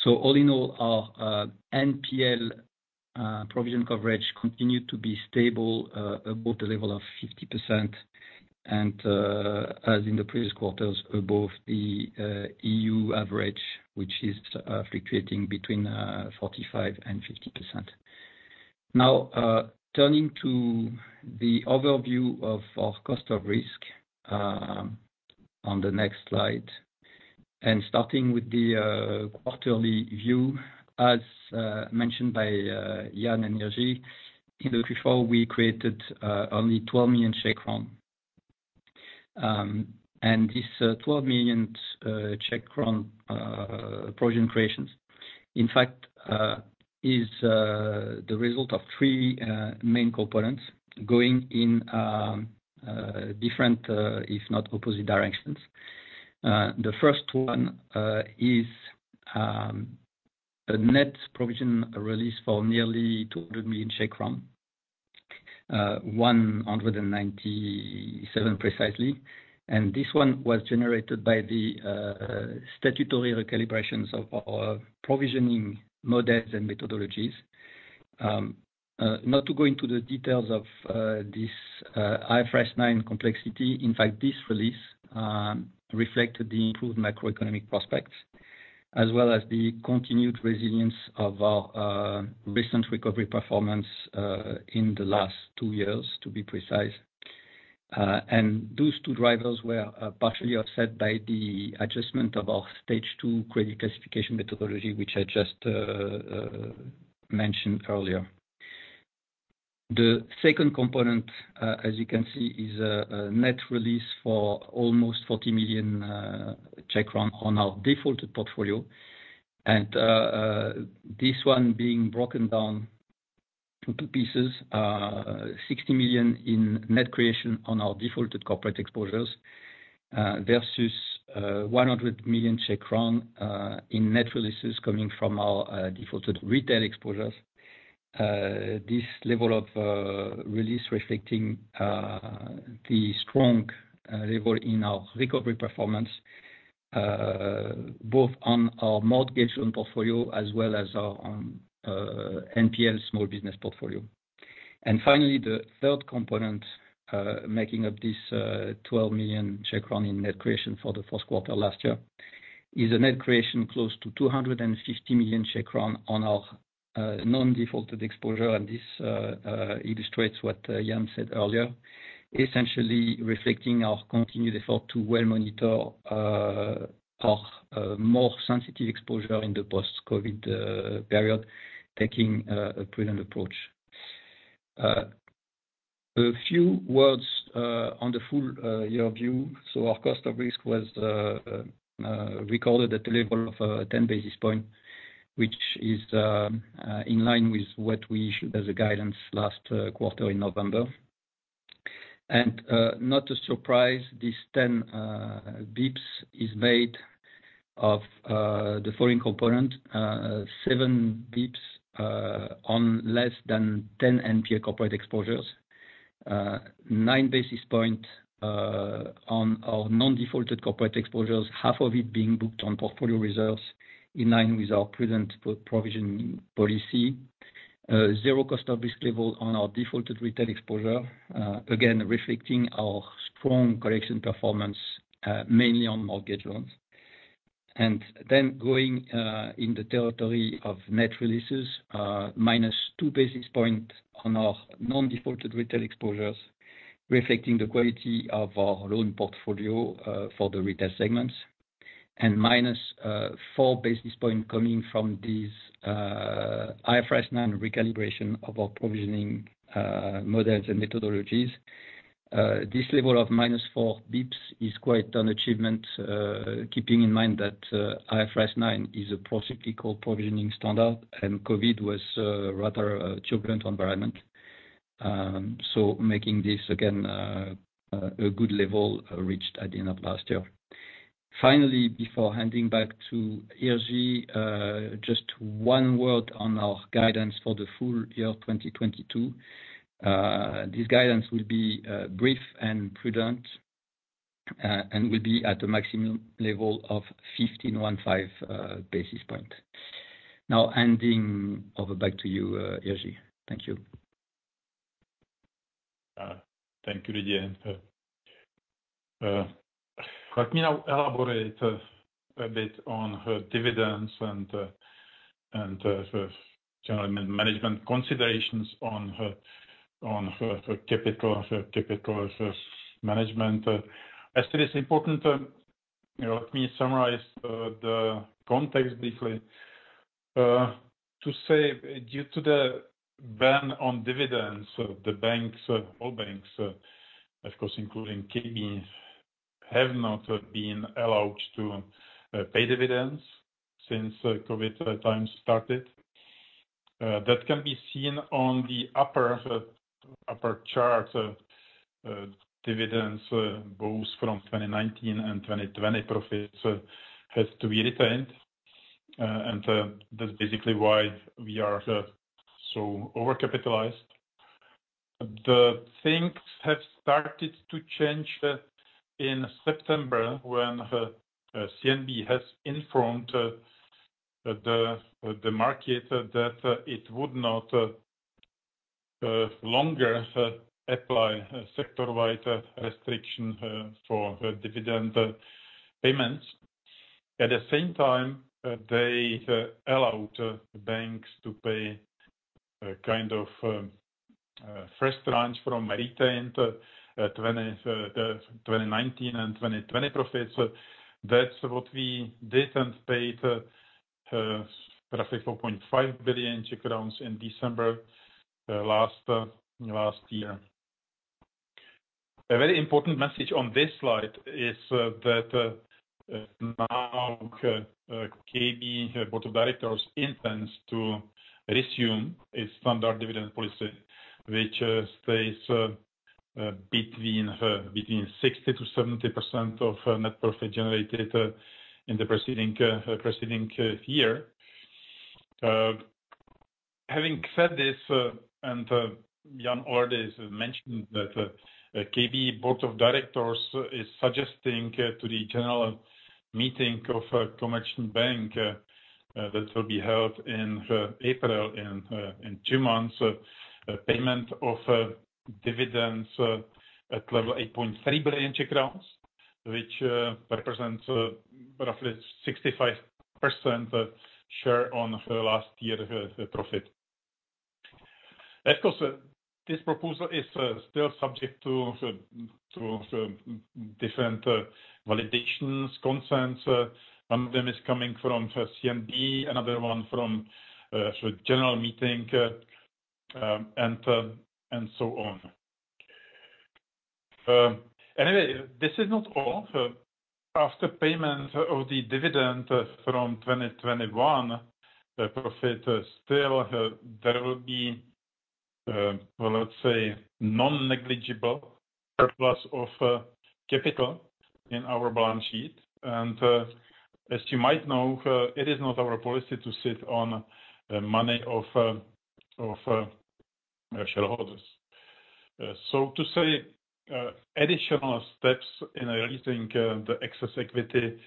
All in all, our NPL provision coverage continued to be stable above the level of 50%. As in the previous quarters, above the EU average, which is fluctuating between 45% and 50%. Now turning to the overview of our cost of risk, on the next slide, and starting with the quarterly view. As mentioned by Jan and Jiří, in the Q4, we created only 12 million. This 12 million CZK provision creations, in fact, is the result of three main components going in different, if not opposite directions. The first one is a net provision release for nearly 200 million Czech crown, 197 million precisely. This one was generated by the statutory recalibrations of our provisioning models and methodologies. Not to go into the details of this IFRS 9 complexity. In fact, this release reflected the improved macroeconomic prospects as well as the continued resilience of our recent recovery performance in the last two years, to be precise. Those two drivers were partially offset by the adjustment of our stage two credit classification methodology which I just mentioned earlier. The second component, as you can see, is a net release for almost 40 million on our defaulted portfolio. This one being broken down to two pieces. 60 million in net creation on our defaulted corporate exposures, versus 100 million in net releases coming from our defaulted retail exposures. This level of release reflecting the strong level in our recovery performance, both on our mortgage loan portfolio as well as our NPL small business portfolio. Finally, the third component, making up this 12 million in net creation for the first quarter last year, is a net creation close to 250 million on our non-defaulted exposure. This illustrates what Jan said earlier, essentially reflecting our continued effort to monitor our more sensitive exposure in the post-COVID period, taking a prudent approach. A few words on the full year view. Our cost of risk was recorded at a level of 10 basis points, which is in line with what we issued as a guidance last quarter in November. Not a surprise, this 10 basis points is made of the foreign component, 7 basis points on less than 10 NPA corporate exposures, 9 basis points on our non-defaulted corporate exposures, half of it being booked on portfolio reserves in line with our prudent provision policy. Zero cost of risk level on our defaulted retail exposure. Again, reflecting our strong collection performance mainly on mortgage loans. Then going in the territory of net releases, -2 basis points on our non-defaulted retail exposures, reflecting the quality of our loan portfolio, for the retail segments, and -4 basis points coming from these IFRS 9 recalibration of our provisioning models and methodologies. This level of -4 basis points is quite an achievement, keeping in mind that IFRS 9 is a procyclical provisioning standard, and COVID was a rather turbulent environment, making this again a good level reached at the end of last year. Finally, before handing back to Jiří, just one word on our guidance for the full year 2022. This guidance will be brief and prudent and will be at the maximum level of 15 basis point. Now handing over back to you, Jiří. Thank you. Thank you, Didier. Let me now elaborate a bit on dividends and general management considerations on capital management. I think it's important. Let me summarize the context briefly to say due to the ban on dividends, so the banks, all banks, of course including KB, have not been allowed to pay dividends since COVID time started. That can be seen on the upper chart. Dividends both from 2019 and 2020 profits has to be retained, and that's basically why we are so overcapitalized. The things have started to change in September when CNB has informed the market that it would no longer apply sector-wide restriction for dividend payments. At the same time, they allowed banks to pay kind of first tranche from retained 2019 and 2020 profits. That's what we did and paid roughly 4.5 billion Czech crowns in December last year. A very important message on this slide is that now KB Board of Directors intends to resume its standard dividend policy which stays between 60%-70% of net profit generated in the preceding year. Having said this, and Jan already mentioned that KB Board of Directors is suggesting to the general meeting of Komerční banka that will be held in April, in two months. Payment of dividends at level 8.3 billion, which represents roughly 65% share of last year's profit. Of course, this proposal is still subject to different validations, consents. One of them is coming from CNB, another one from general meeting, and so on. Anyway, this is not all. After payment of the dividend from 2021, there will be, let's say, non-negligible surplus of capital in our balance sheet. As you might know, it is not our policy to sit on money of our shareholders. To say, additional steps in releasing the excess equity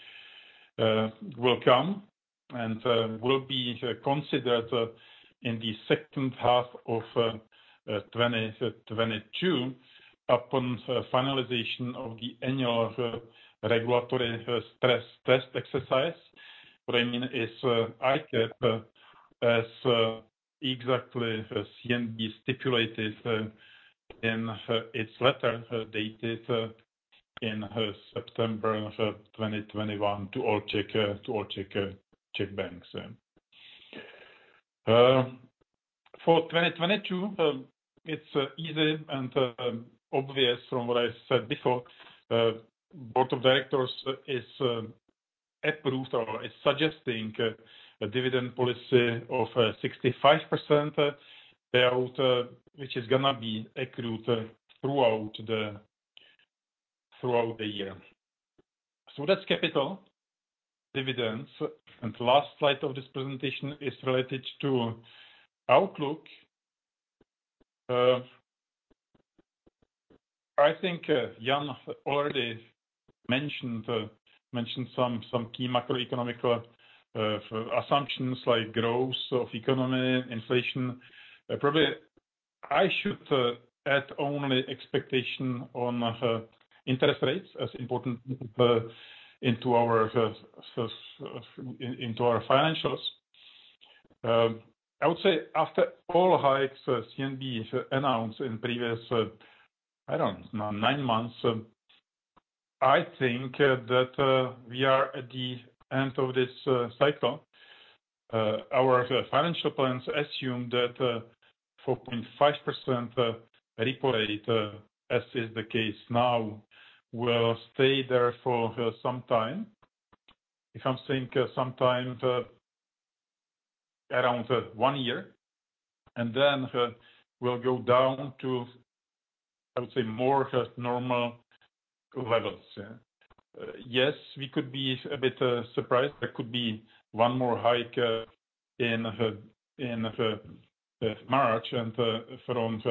will come and will be considered in the second half of 2022 upon finalization of the annual regulatory stress exercise. What I mean is, ICAAP as exactly as CNB stipulated in its letter dated in September of 2021 to all Czech banks. For 2022, it's easy and obvious from what I said before, board of directors is approved or is suggesting a dividend policy of 65% payout which is gonna be accrued throughout the year. That's capital dividends. The last slide of this presentation is related to outlook. I think Jan already mentioned some key macroeconomic assumptions like growth of economy, inflation. Probably I should add only expectation on interest rates as important into our financials. I would say after all hikes CNB announced in previous, I don't know, nine months, I think that we are at the end of this cycle. Our financial plans assume that 4.5% repo rate, as is the case now, will stay there for some time. If I'm saying some time, around one year, and then will go down to, I would say, more of normal levels. Yes, we could be a bit surprised. There could be one more hike in March. From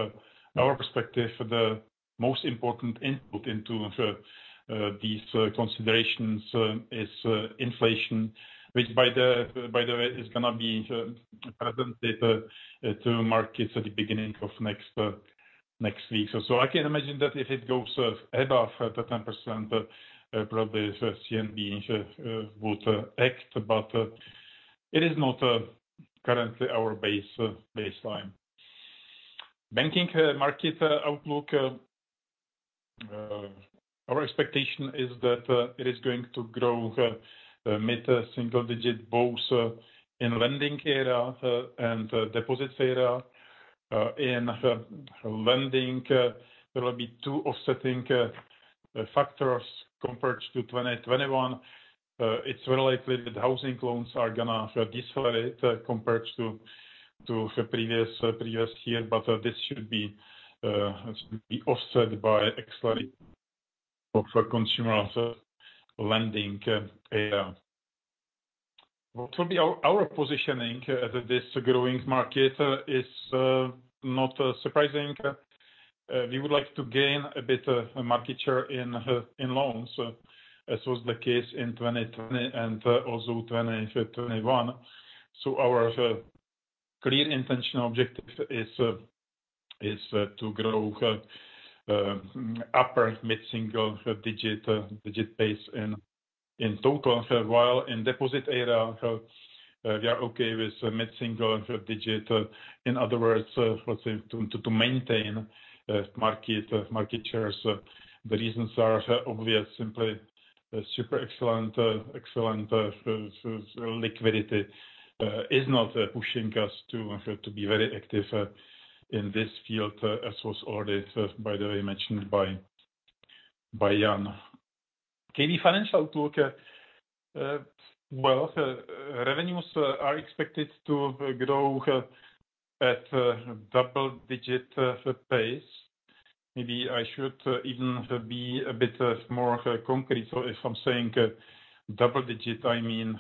our perspective, the most important input into these considerations is inflation, which by the way is gonna be presented to markets at the beginning of next week. I can imagine that if it goes above 10%, probably CNB will act, but it is not currently our baseline. Banking market outlook, our expectation is that it is going to grow mid-single digit both in lending area and deposit area. In lending, there will be two offsetting factors compared to 2021. It's related with housing loans are gonna accelerate compared to the previous year. This should be offset by deceleration of consumer lending area. What will be our positioning at this growing market is not surprising. We would like to gain a bit of market share in loans, as was the case in 2020 and also 2021. Our clear intention objective is to grow upper mid-single-digit basis in total, while in deposit area we are okay with mid-single digit. In other words, let's say to maintain market shares. The reasons are obvious. Simply excellent liquidity is not pushing us to be very active in this field, as was already, by the way, mentioned by Jan. KB financial outlook. Well, revenues are expected to grow at a double-digit pace. Maybe I should even be a bit more concrete. If I'm saying double-digit, I mean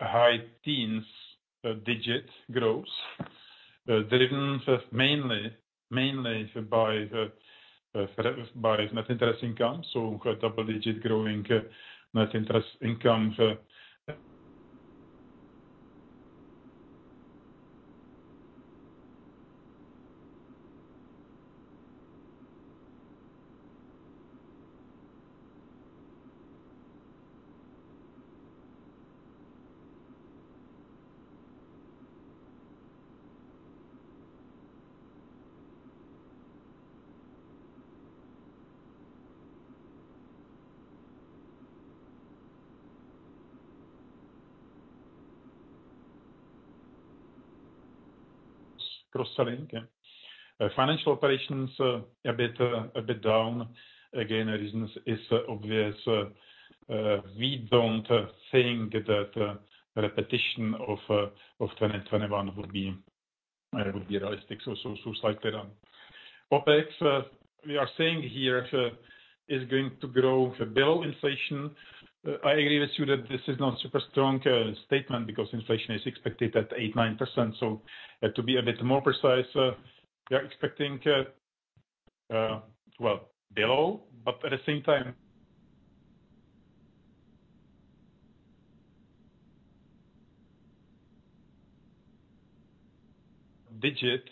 high-teens-digit growth. Driven mainly by net interest income. Double-digit growing net interest income. Cross-selling, yeah. Financial operations a bit down. Again, the reason is obvious. We don't think that repetition of 2021 would be realistic, so slightly down. OpEx we are saying here is going to grow below inflation. I agree with you that this is not super strong statement because inflation is expected at 8%-9%. To be a bit more precise, we are expecting well below, but at the same time digit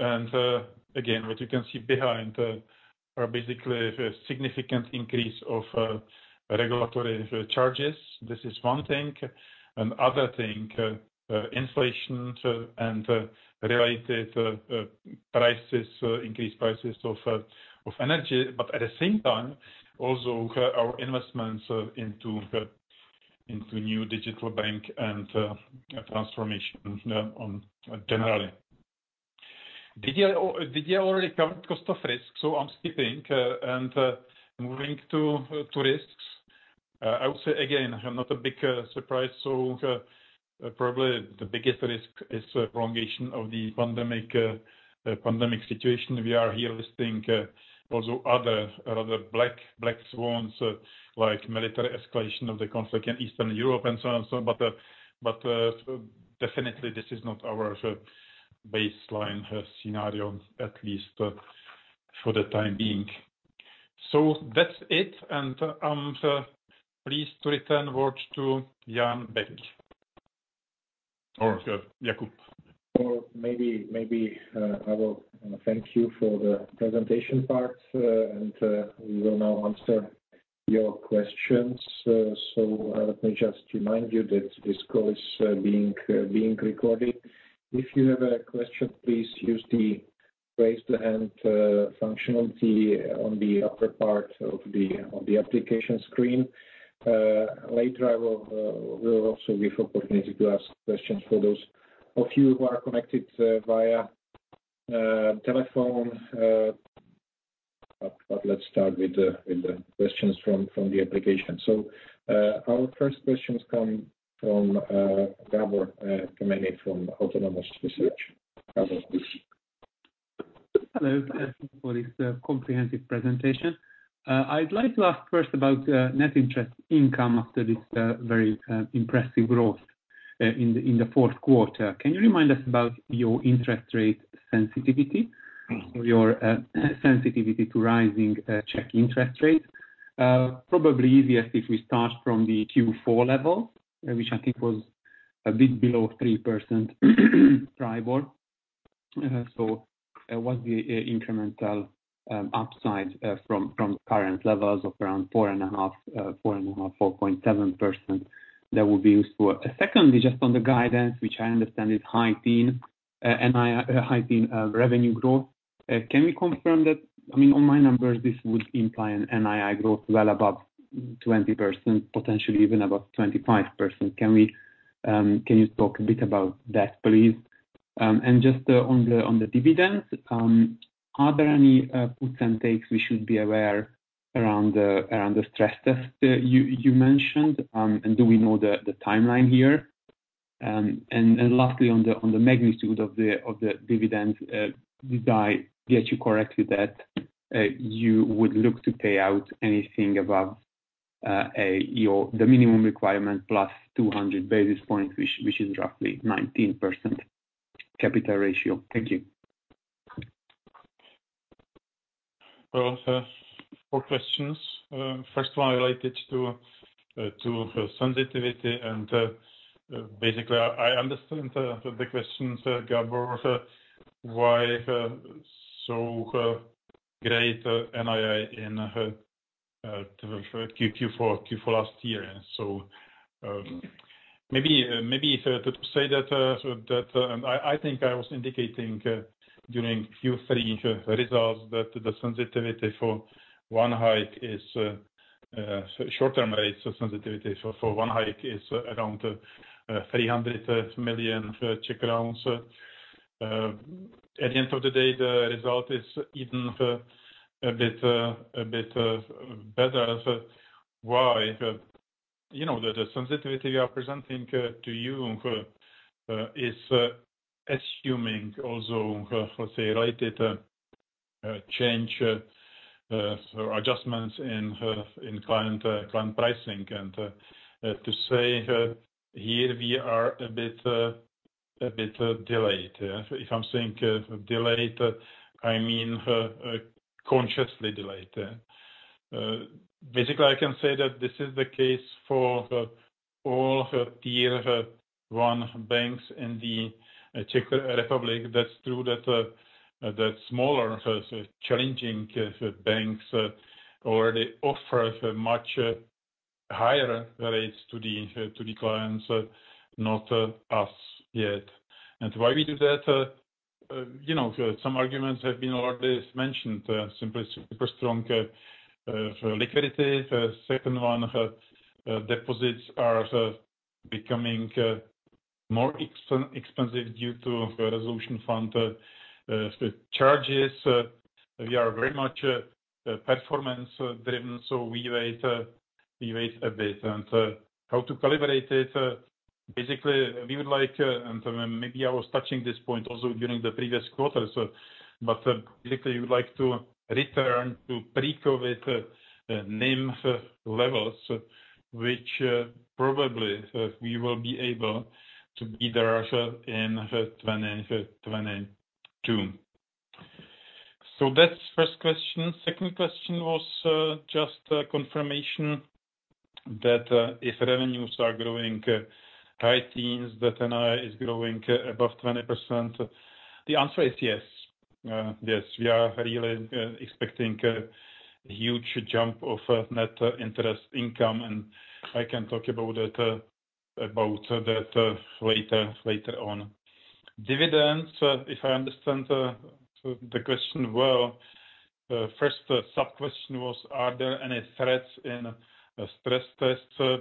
and again, what you can see behind are basically a significant increase of regulatory charges. This is one thing. Other thing, inflation and related increased prices of energy. But at the same time, also our investments into new digital bank and transformation generally. Did you already cover cost of risk? I'm skipping and moving to risks. I would say again, not a big surprise, so probably the biggest risk is a prolongation of the pandemic situation. We are here listing also other black swans like military escalation of the conflict in Eastern Europe and so on but definitely this is not our baseline scenario, at least, for the time being. That's it, and I'm pleased to return the word to Jan Juchelka. Or, Jakub. I will thank you for the presentation part, and we will now answer your questions. Let me just remind you that this call is being recorded. If you have a question, please use the raise hand functionality on the upper part of the application screen. Later I will also give opportunity to ask questions for those of you who are connected via telephone, but let's start with the questions from the application. Our first question comes from Gabor Kemeny from Autonomous Research. Gabor. Hello, thank you for this comprehensive presentation. I'd like to ask first about net interest income after this very impressive growth in the fourth quarter. Can you remind us about your interest rate sensitivity or your sensitivity to rising Czech interest rates? Probably easiest if we start from the Q4 level, which I think was a bit below 3% PRIBOR. What's the incremental upside from current levels of around 4.5%-4.7% that would be useful. Secondly, just on the guidance which I understand is high-teens NII, high-teens revenue growth, can we confirm that? I mean, on my numbers this would imply an NII growth well above 20%, potentially even above 25%. Can you talk a bit about that, please? Just on the dividends, are there any puts and takes we should be aware around the stress test you mentioned? Do we know the timeline here? Lastly, on the magnitude of the dividends, did I get you correctly that you would look to pay out anything above the minimum requirement plus 200 basis points, which is roughly 19% capital ratio? Thank you. Well, four questions. First one related to sensitivity, and basically, I understand the question, Gabor why so great NII in Q4 last year. Maybe to say that, and I think I was indicating during Q3 results that the short-term rates sensitivity for one hike is around 300 million Czech crowns. At the end of the day, the result is even a bit better. Why? You know, the sensitivity we are presenting to you is assuming also let's say related change or adjustments in client pricing. To say, here we are a bit delayed. Yeah. If I'm saying delayed, I mean consciously delayed. Basically I can say that this is the case for all tier one banks in the Czech Republic. That's true that the smaller, so challenging, banks already offer a much higher rates to the to the clients, not us yet. Why we do that? You know, some arguments have been already mentioned, simply super strong liquidity. Second one, deposits are becoming more expensive due to resolution fund charges. We are very much performance driven, so we wait a bit. How to calibrate it? Basically, we would like, and maybe I was touching this point also during the previous quarter. Basically we would like to return to pre-COVID NIM levels which probably we will be able to be there in 2022. That's first question. Second question was just confirmation that if revenues are growing high teens%, that NII is growing above 20%. The answer is yes. Yes, we are really expecting a huge jump of net interest income. I can talk about that later on. Dividends, if I understand the question well. First sub-question was, are there any threats in stress tests?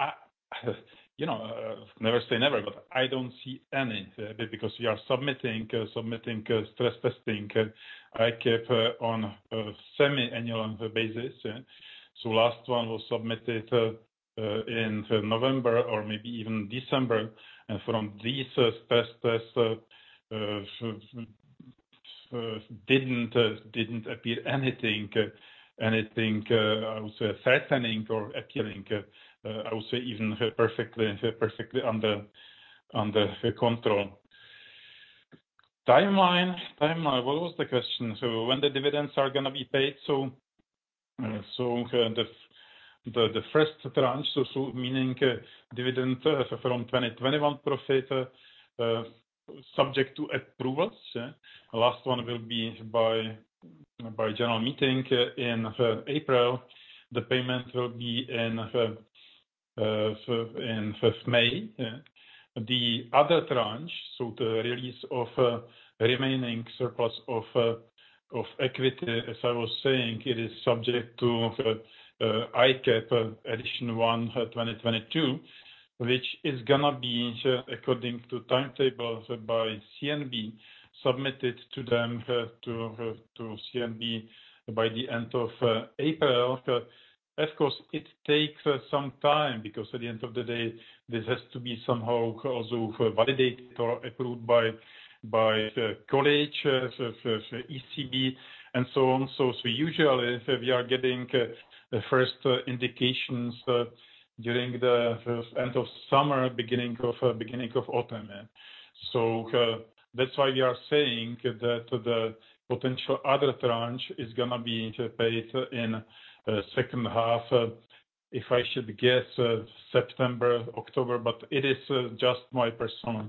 I, you know, never say never, but I don't see any because we are submitting stress testing. I keep on semi-annual basis. Last one was submitted in November or maybe even December. From these stress tests didn't appear anything I would say threatening or appealing. I would say even perfectly under control. Timeline. What was the question? When the dividends are gonna be paid. The first tranche, so meaning dividend from 2021 profit subject to approvals. Last one will be by general meeting in April. The payment will be in 5th May. The other tranche, the release of remaining surplus of equity, as I was saying, it is subject to ICAAP Edition one 2022. Which is gonna be according to timetables by CNB, submitted to CNB by the end of April. Of course, it takes some time because at the end of the day, this has to be somehow also validated or approved by college, ECB and so on. Usually, we are getting the first indications during the end of summer, beginning of autumn. That's why we are saying that the potential other tranche is gonna be paid in second half, if I should guess, September, October, but it is just my personal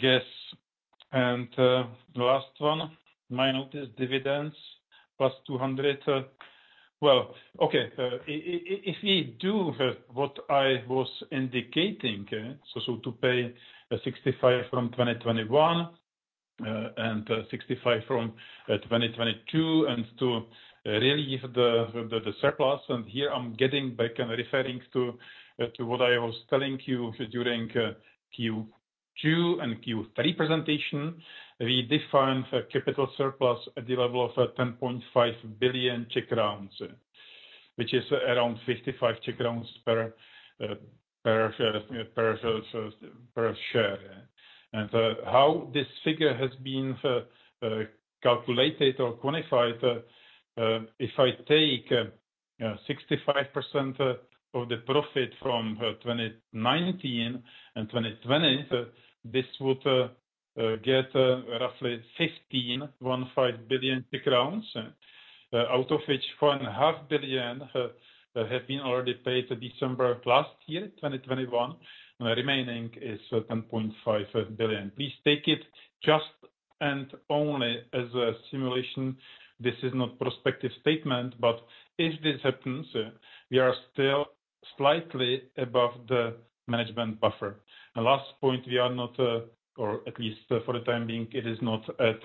guess. The last one, my notice dividends plus 200. Well, okay. If we do what I was indicating, so to pay 65 from 2021, and 65 from 2022, and to relieve the surplus. Here I'm getting back and referring to what I was telling you during Q2 and Q3 presentation. We defined a capital surplus at the level of 10.5 billion, which is around 55 per share. How this figure has been calculated or quantified, if I take 65% of the profit from 2019 and 2020, this would give roughly 15 billion crowns, out of which 1.5 billion have been already paid December last year 2021 and the remaining is 10.5 billion. Please take it just and only as a simulation. This is not prospective statement, but if this happens, we are still slightly above the management buffer. Last point, we are not, or at least for the time being, it is not at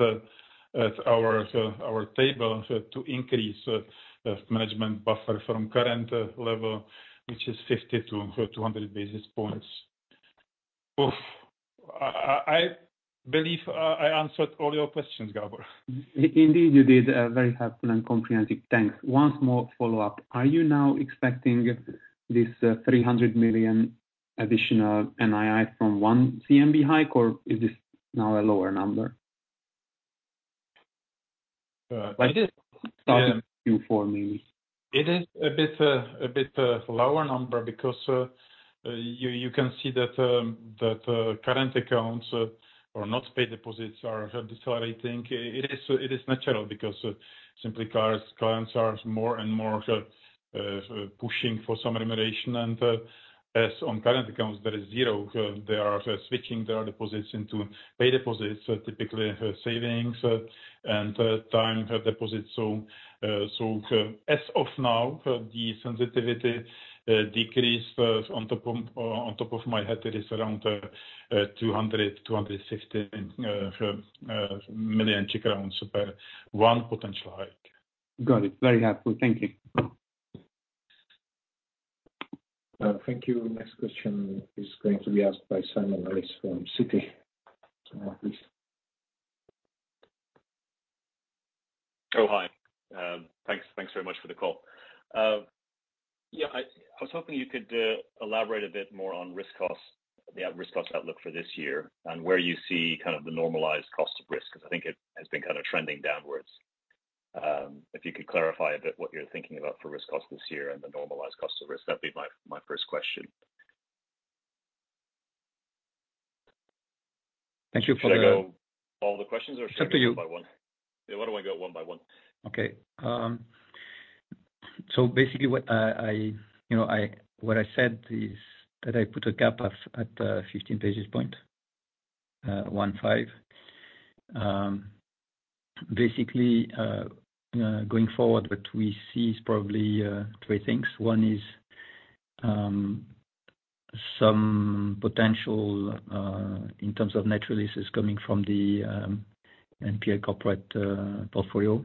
our table to increase management buffer from current level which is 50 basis points to 200 basis points. I believe I answered all your questions, Gabor. Indeed you did. Very helpful and comprehensive. Thanks. One small follow-up. Are you now expecting this 300 million additional NII from one CNB hike, or is this now a lower number? Uh, I just For me. It is a bit lower number because you can see that current accounts or not paid deposits are decelerating. It is natural because simply clients are more and more pushing for some remuneration. On current accounts there is zero, they are switching their deposits into paid deposits, typically savings and time deposits. As of now, the sensitivity decrease, on top of my head it is around 260 million per one potential hike. Got it. Very helpful. Thank you. Thank you. Next question is going to be asked by Simon Harris from Citi. Simon, please. Oh, hi. Thanks very much for the call. Yeah, I was hoping you could elaborate a bit more on risk costs, the risk costs outlook for this year and where you see kind of the normalized cost of risk because I think it has been kind of trending downwards. If you could clarify a bit what you're thinking about for risk costs this year and the normalized cost of risk, that'd be my first question. Thank you for the Should I go all the questions or should I go one by one? It's up to you. Yeah, why don't we go one by one? Okay, basically what I said is that I put a cap of at 15 basis point, 15. Basically, going forward, what we see is probably three things. One is some potential in terms of natural releases coming from the NPA corporate portfolio,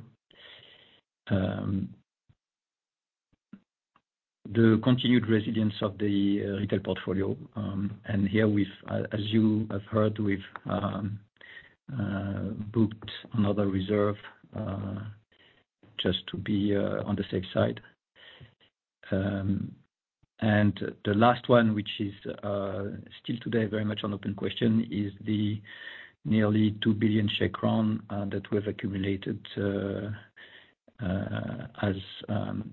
the continued resilience of the retail portfolio, and here, as you have heard, we've booked another reserve just to be on the safe side. The last one, which is still today very much an open question, is the nearly 2 billion that we've accumulated as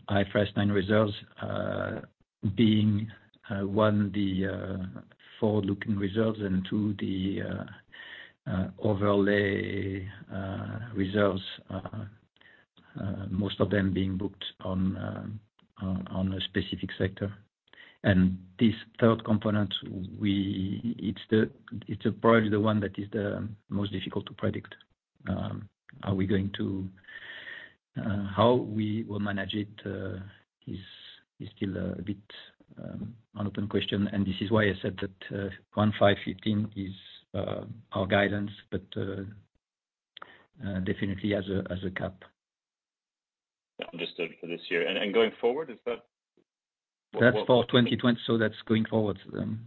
IFRS 9 reserves, being one, the forward-looking results and two, the overlay reserves, most of them being booked on a specific sector. This third component. It's probably the one that is the most difficult to predict. How we will manage it is still a bit an open question. This is why I said that 15 is our guidance, but definitely as a cap. Understood for this year. Going forward, is that? That's for 2020, so that's going forward.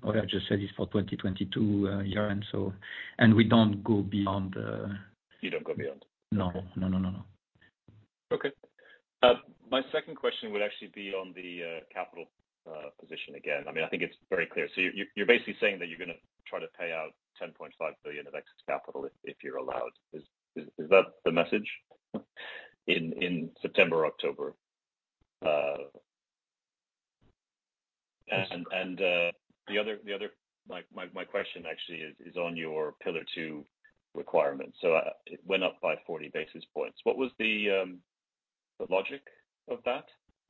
What I just said is for 2022 year end, so. We don't go beyond. You don't go beyond. No, no, no. Okay. My second question would actually be on the capital position again. I mean, I think it's very clear. You're basically saying that you're gonna try to pay out 10.5 billion of excess capital if you're allowed. Is that the message in September or October? And the other question actually is on your pillar two requirements. It went up by 40 basis points. What was the logic of that?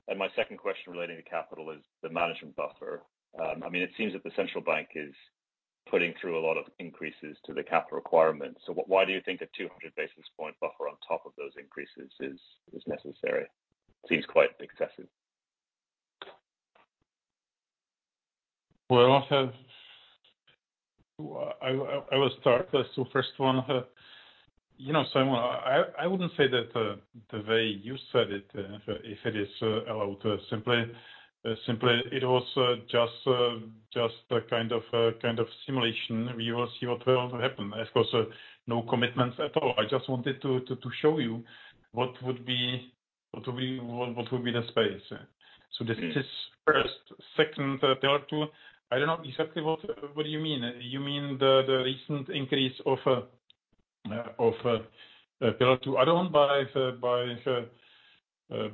And my second question relating to capital is the management buffer. I mean, it seems that the central bank is putting through a lot of increases to the capital requirement. Why do you think a 200 basis point buffer on top of those increases is necessary? It seems quite excessive. I will start. First one, you know, Simon, I wouldn't say that the way you said it, if it is allowed, simply, it was just a kind of simulation. We will see what will happen. Of course, no commitments at all. I just wanted to show you what would be, what will be the space. This is first. Second, Pillar 2, I don't know exactly what do you mean? You mean the recent increase of Pillar 2? I don't buy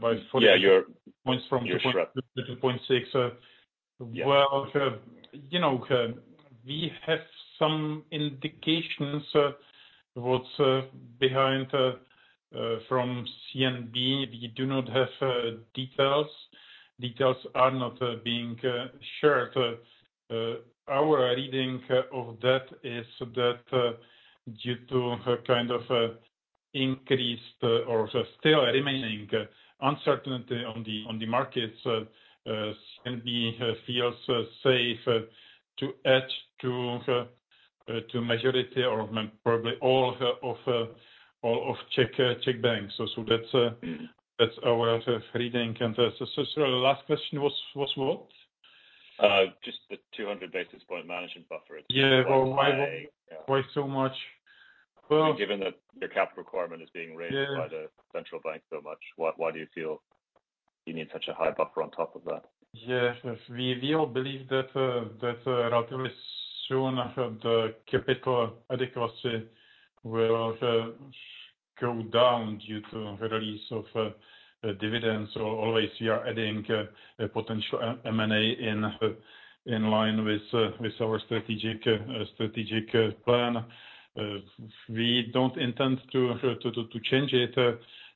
by 40 Yeah, your- Points from 2.6. Yeah. Well, you know, we have some indications what's behind from CNB. We do not have details. Details are not being shared. Our reading of that is that due to a kind of increased or still remaining uncertainty on the markets, CNB feels safe to add to majority or probably all of Czech banks. So that's our reading. The last question was what? Just the 200 basis point management buffer. Yeah. Why so much? Given that your capital requirement is being raised. Yeah By the central bank so much, why do you feel you need such a high buffer on top of that? Yeah. We believe that relatively soon the capital adequacy will go down due to the release of dividends. We are always adding a potential M&A in line with our strategic plan. We don't intend to change it.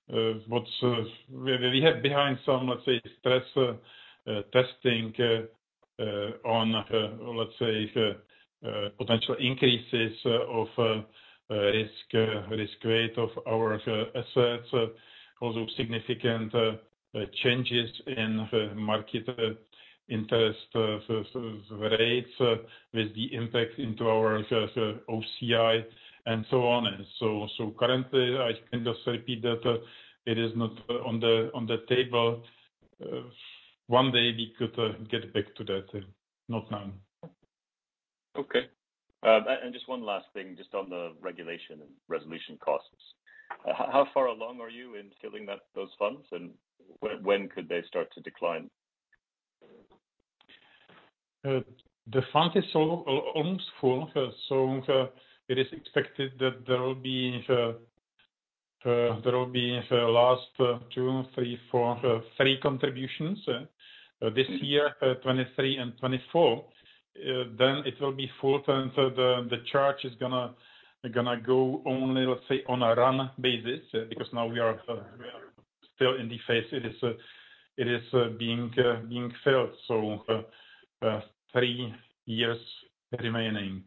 We have behind some, let's say, stress testing on, let's say, potential increases of risk rate of our assets. Also significant changes in the market interest rates with the impact into our OCI and so on. Currently I can just repeat that it is not on the table. One day we could get back to that. Not now. Okay. Just one last thing, just on the regulation and resolution costs. How far along are you in filling those funds, and when could they start to decline? The fund is almost full. It is expected that there will be last three contributions this year, 2023 and 2024. Then it will be full, and the charge is gonna go only, let's say, on a run basis, because now we are still in the phase it is being filled. Three years remaining.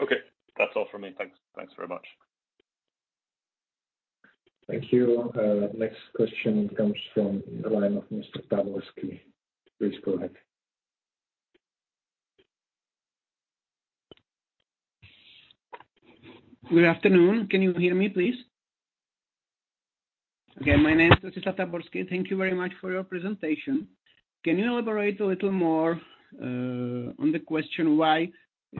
Okay. That's all for me. Thanks. Thanks very much. Thank you. Next question comes from the line of Mr. Taborsky. Please go ahead. Good afternoon. Can you hear me, please? Okay, my name is Josef Taborsky. Thank you very much for your presentation. Can you elaborate a little more on the question why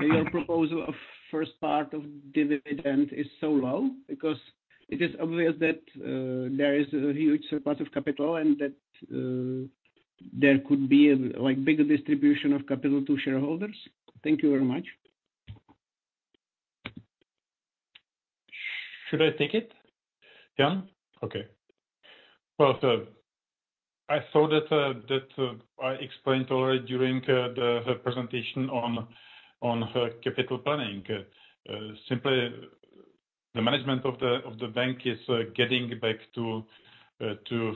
your proposal of first part of dividend is so low? Because it is obvious that there is a huge part of capital and that there could be a like bigger distribution of capital to shareholders. Thank you very much. Should I take it, Jan? Okay. Well, I thought that I explained already during the presentation on capital planning. Simply the management of the bank is getting back to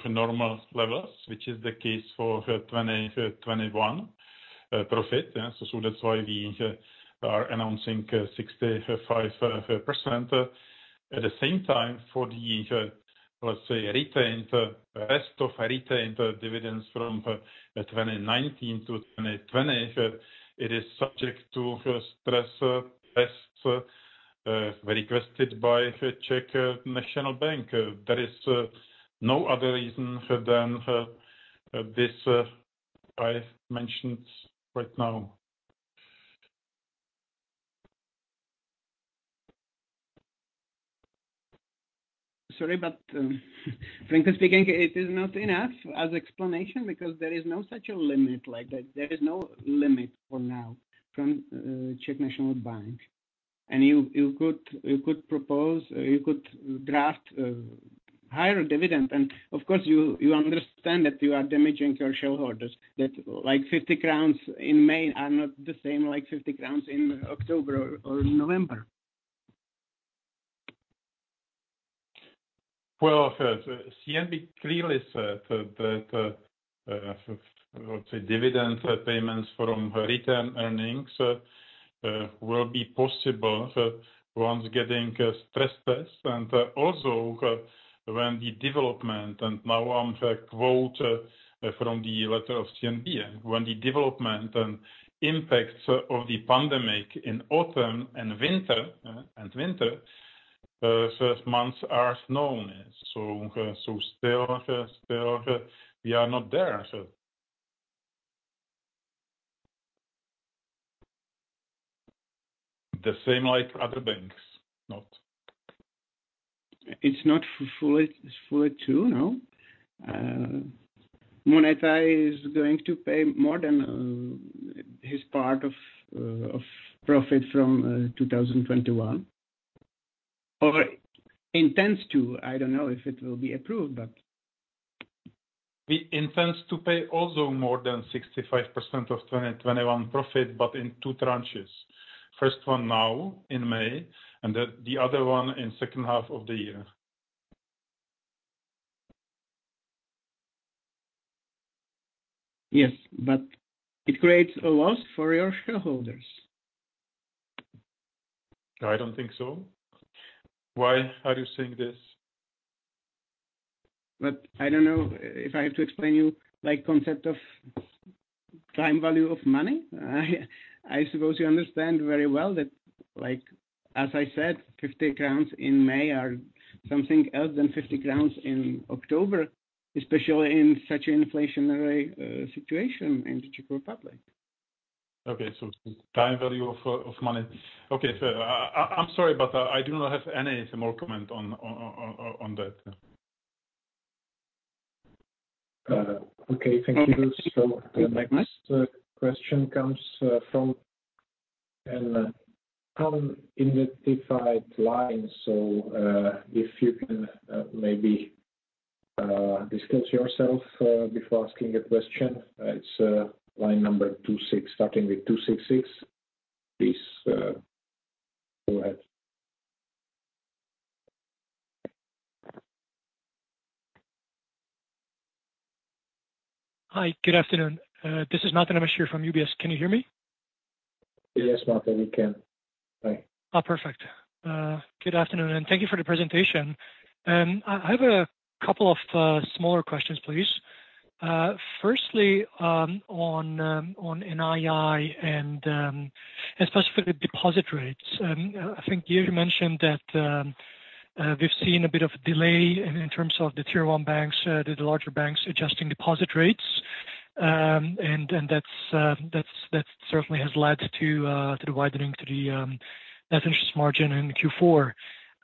normal levels, which is the case for 2021 profit. That's why we are announcing 65%. At the same time, for the, let's say, retained rest of retained dividends from 2019 to 2020, it is subject to stress tests requested by the Czech National Bank. There is no other reason than this I mentioned right now. Sorry, frankly speaking, it is not enough as explanation because there is no such a limit like that. There is no limit for now from Czech National Bank. You could propose or you could draft a higher dividend. Of course, you understand that you are damaging your shareholders. Like 50 crowns in May are not the same like 50 crowns in October or November. Well, CNB clearly said that, let's say, dividend payments from retained earnings will be possible once getting stress test. When the development, now I'm quoting from the letter of CNB. When the development and impacts of the pandemic in autumn and winter first months are known. Still we are not there. The same like other banks. Not. It's not full, it's full too, no? Moneta is going to pay more than its part of profit from 2021. Or intends to. I don't know if it will be approved, but. We intend to pay also more than 65% of 2021 profit but in two tranches. First one now in May, and the other one in second half of the year. Yes, it creates a loss for your shareholders. I don't think so. Why are you saying this? I don't know if I have to explain you, like, concept of time value of money. I suppose you understand very well that, like, as I said, 50 crowns in May are something else than 50 crowns in October, especially in such an inflationary situation in Czech Republic. Okay. Time value of money. Okay. I'm sorry, but I do not have any more comment on that. Okay, thank you. The next question comes from an unidentified line. If you can, maybe, introduce yourself before asking a question. It's line number 26. Starting with 266. Please go ahead. Hi. Good afternoon. This is Martin Amash here from UBS. Can you hear me? Yes, Martin, we can. Go ahead. Perfect. Good afternoon, and thank you for the presentation. I have a couple of smaller questions, please. Firstly, on NII and specifically deposit rates. I think, Jiří, you mentioned that we've seen a bit of a delay in terms of the tier one banks, the larger banks adjusting deposit rates. That certainly has led to the widening of the net interest margin in Q4.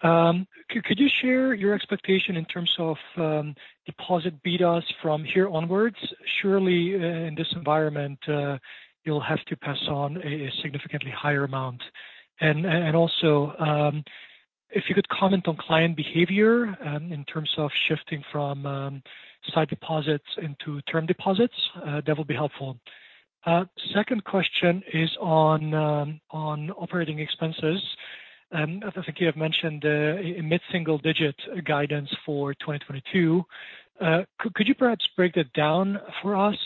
Could you share your expectation in terms of deposit betas from here onwards? Surely in this environment, you'll have to pass on a significantly higher amount. Also, if you could comment on client behavior in terms of shifting from sight deposits into term deposits, that would be helpful. Second question is on operating expenses. I think you have mentioned mid-single-digit guidance for 2022. Could you perhaps break that down for us?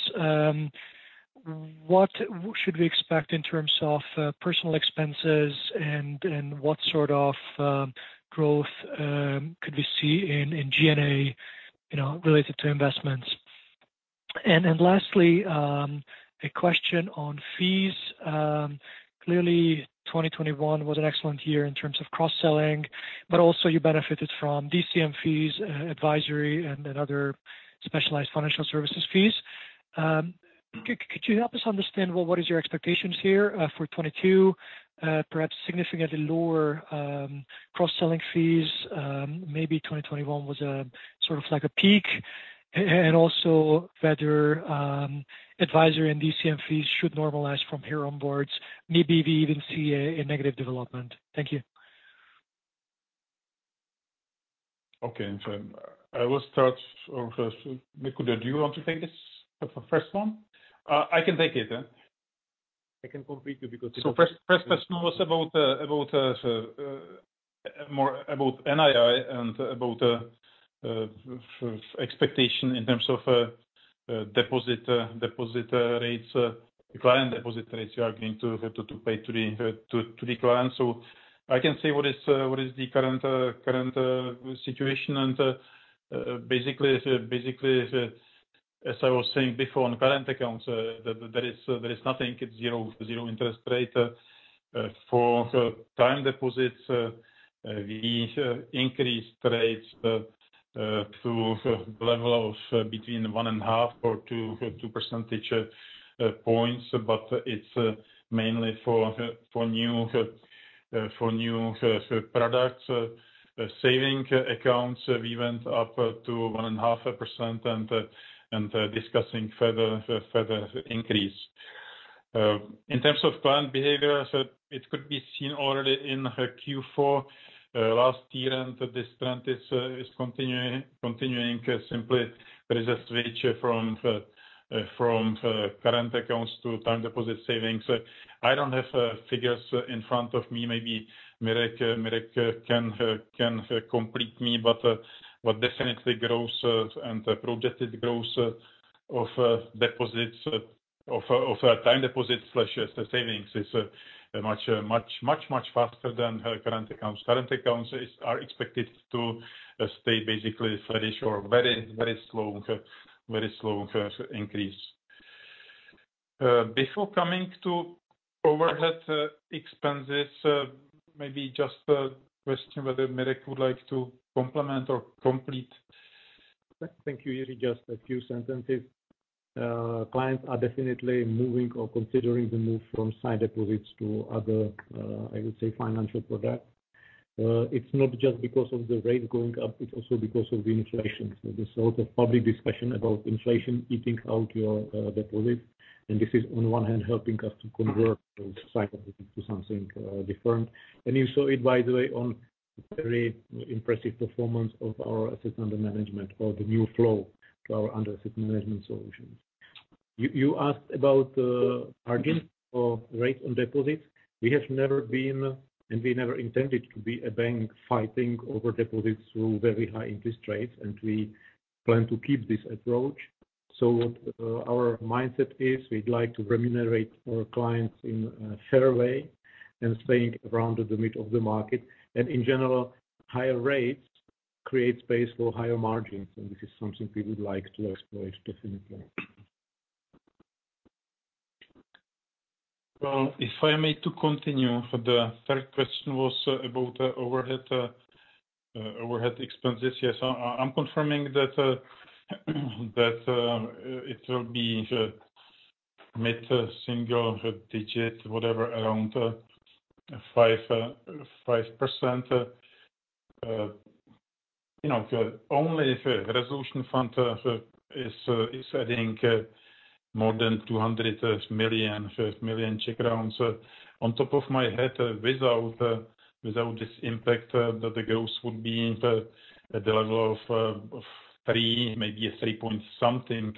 What should we expect in terms of personnel expenses and what sort of growth could we see in G&A, you know, related to investments? Lastly, a question on fees. Clearly 2021 was an excellent year in terms of cross-selling, but also you benefited from DCM fees, advisory and other specialized financial services fees. Could you help us understand what is your expectations here for 2022? Perhaps significantly lower cross-selling fees. Maybe 2021 was a sort of like a peak. Also whether advisory and DCM fees should normalize from here onwards, maybe we even see a negative development. Thank you. Okay. I will start. First, Miroslav, do you want to take this first one? I can take it. I can complete you because. First question was about more about NII and about expectation in terms of deposit rates, client deposit rates you are going to pay to the client. I can say what is the current situation. Basically, as I was saying before, on current accounts, there is nothing. It's 0 interest rate. For time deposits, we increase rates to level of between 1.5 and 2 percentage points. But it's mainly for new products. Saving accounts, we went up to 1.5% and discussing further increase. In terms of client behavior, it could be seen already in Q4 last year. This trend is continuing. Simply, there is a switch from current accounts to time deposit savings. I don't have figures in front of me. Maybe Miroslav can complete me, but definitely growth and projected growth of deposits of time deposits/savings is much faster than current accounts. Current accounts are expected to stay basically flat-ish or very slow increase. Before coming to overhead expenses, maybe just a question whether Miroslav would like to complement or complete. Thank you, Jiri. Just a few sentences. Clients are definitely moving or considering the move from side deposits to other, I would say, financial products. It's not just because of the rate going up, it's also because of the inflation. There's a lot of public discussion about inflation eating out your deposits. This is on one hand helping us to convert those side deposits to something different. You saw it, by the way, on very impressive performance of our assets under management or the new flow to our assets under management solutions. You asked about our gains or rates on deposits. We have never been, and we never intended to be a bank fighting over deposits through very high interest rates, and we plan to keep this approach. Our mindset is we'd like to remunerate our clients in a fair way and staying around the mid of the market. In general, higher rates create space for higher margins, and this is something we would like to exploit, definitely. Well, if I may to continue. The third question was about overhead expenses. Yes, I'm confirming that it will be mid-single digit, whatever, around 5%. You know, only if a resolution fund is adding more than 200 million. On top of my head without this impact, the growth would be at the level of three, maybe a three point something,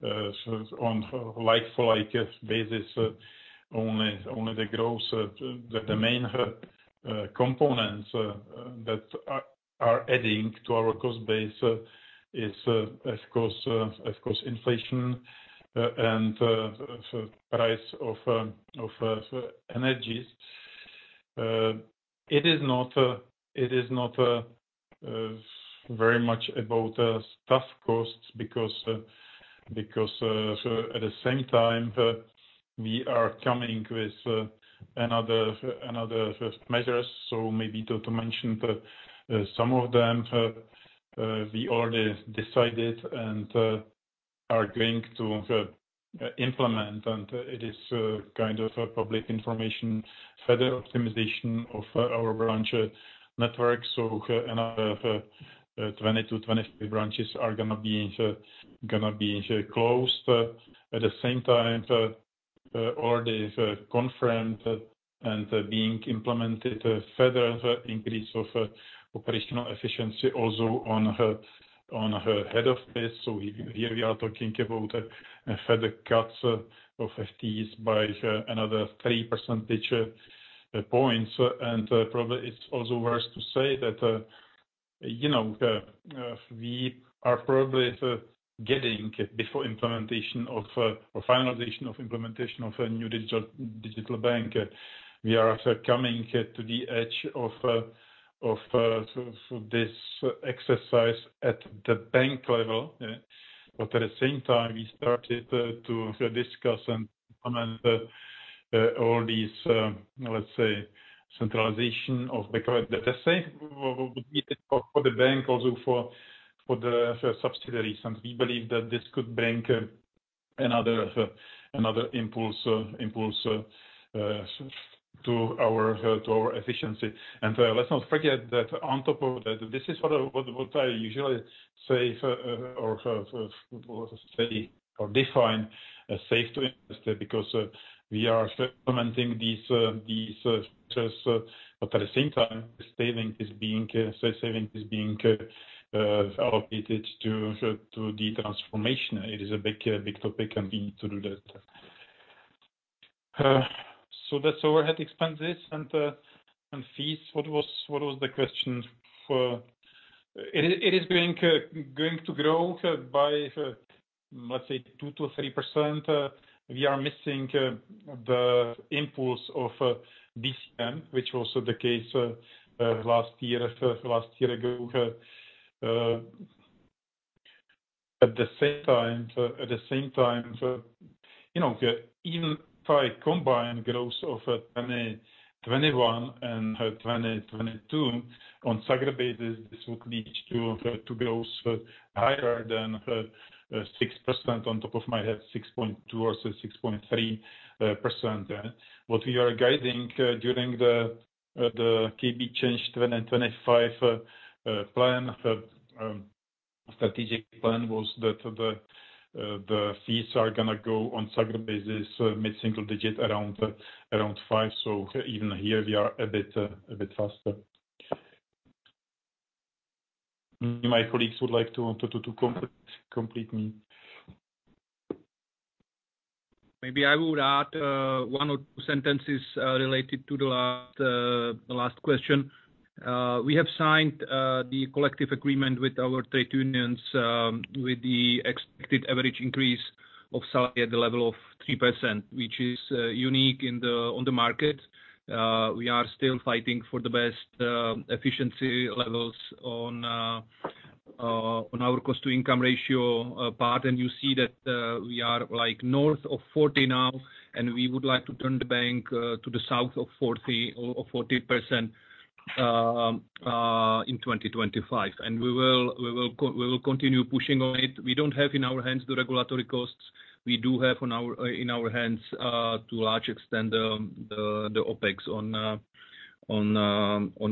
so on like for like basis, only the growth. The main components that are adding to our cost base is, of course, inflation and so price of energies. It is not very much about staff costs because at the same time, we are coming with another measures. Maybe to mention some of them, we already decided and are going to implement, and it is kind of a public information, further optimization of our branch network. Another 20-22 branches are gonna be closed. At the same time, already confirmed and being implemented a further increase of operational efficiency also on a head office. Here we are talking about a further cuts of FTEs by another 3 percentage points. Probably it's also worth to say that we are probably getting before implementation of or finalization of implementation of a new digital bank. We are coming to the edge of this exercise at the bank level. At the same time, we started to discuss and implement all these, let's say, centralization of back-office. Let's say, for the bank, also for the subsidiaries. We believe that this could bring another impulse to our efficiency. Let's not forget that on top of that, this is what I usually say or define a safety because we are implementing these features. At the same time, savings is being allocated to the transformation. It is a big topic, and we need to do that. That's overhead expenses and fees. What was the question for. It is going to grow by, let's say, 2%-3%. We are missing the impulse of CNB, which was also the case last year ago. At the same time, you know, even if I combine growth of 2021 and 2022 on segment basis, this would lead to growth higher than 6% on top of my head, 6.2% or 6.3%. What we are guiding during the KB Change 2025 plan, strategic plan, was that the fees are gonna go on segment basis, mid-single digit around five. Even here we are a bit faster. My colleagues would like to complete me. Maybe I would add one or two sentences related to the last question. We have signed the collective agreement with our trade unions with the expected average increase of salary at the level of 3%, which is unique on the market. We are still fighting for the best efficiency levels on our cost to income ratio part. You see that we are like north of 40 now, and we would like to turn the bank to the south of 40 or 40% in 2025. We will continue pushing on it. We don't have in our hands the regulatory costs. We do have in our hands, to a large extent, the OpEx on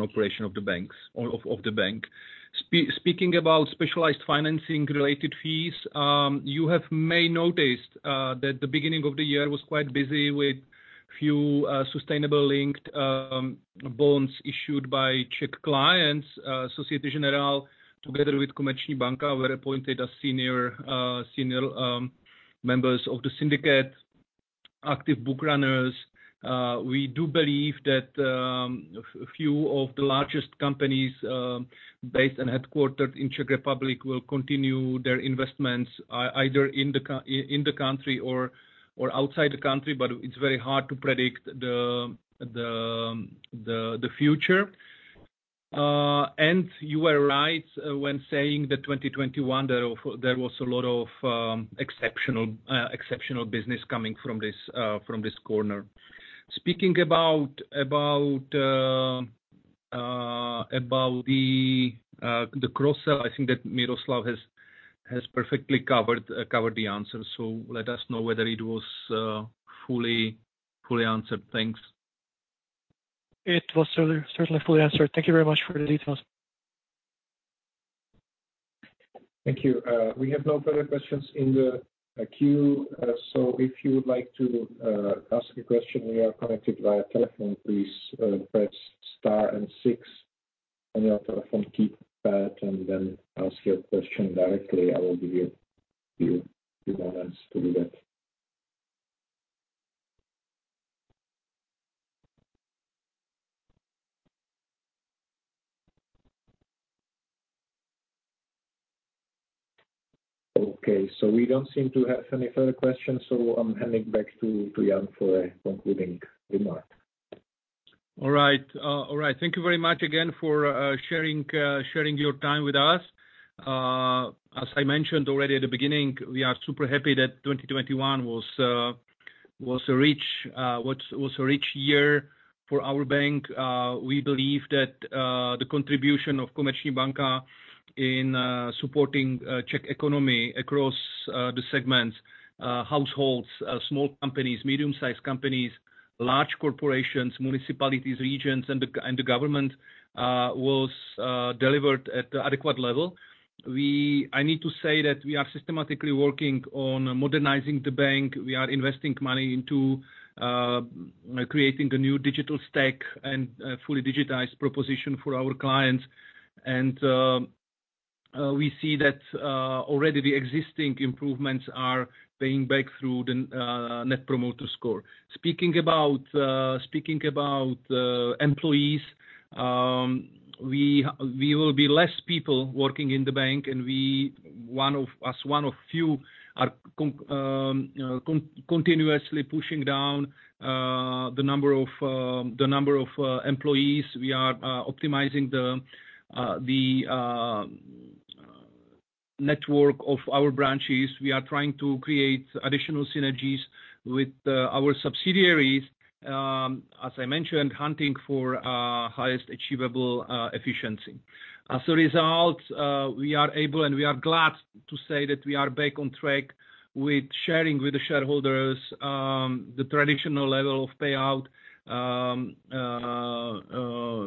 operation of the banks or of the bank. Speaking about specialized financing related fees, you may have noticed that the beginning of the year was quite busy with a few sustainable linked bonds issued by Czech clients. Société Générale, together with Komerční banka, were appointed as senior members of the syndicate, active book runners. We do believe that a few of the largest companies based and headquartered in Czech Republic will continue their investments either in the country or outside the country, but it's very hard to predict the future. You were right when saying that 2021 there was a lot of exceptional business coming from this corner. Speaking about the cross-sell, I think that Miroslav has perfectly covered the answer. Let us know whether it was fully answered. Thanks. It was certainly fully answered. Thank you very much for the details. Thank you. We have no further questions in the queue, so if you would like to ask a question, we are connected via telephone. Please, press star and six on your telephone keypad, and then ask your question directly. I will give you a few moments to do that. Okay. We don't seem to have any further questions, so I'm handing back to Jan for a concluding remark. All right. Thank you very much again for sharing your time with us. As I mentioned already at the beginning, we are super happy that 2021 was a rich year for our bank. We believe that the contribution of Komerční banka in supporting Czech economy across the segments, households, small companies, medium-sized companies, large corporations, municipalities, regions, and the government was delivered at adequate level. I need to say that we are systematically working on modernizing the bank. We are investing money into creating a new digital stack and a fully digitized proposition for our clients. We see that already the existing improvements are paying back through the Net Promoter Score. Speaking about employees, we will be less people working in the bank, and we are one of the few continuously pushing down the number of employees. We are optimizing the network of our branches. We are trying to create additional synergies with our subsidiaries, as I mentioned, hunting for highest achievable efficiency. As a result, we are able and we are glad to say that we are back on track with sharing with the shareholders the traditional level of payout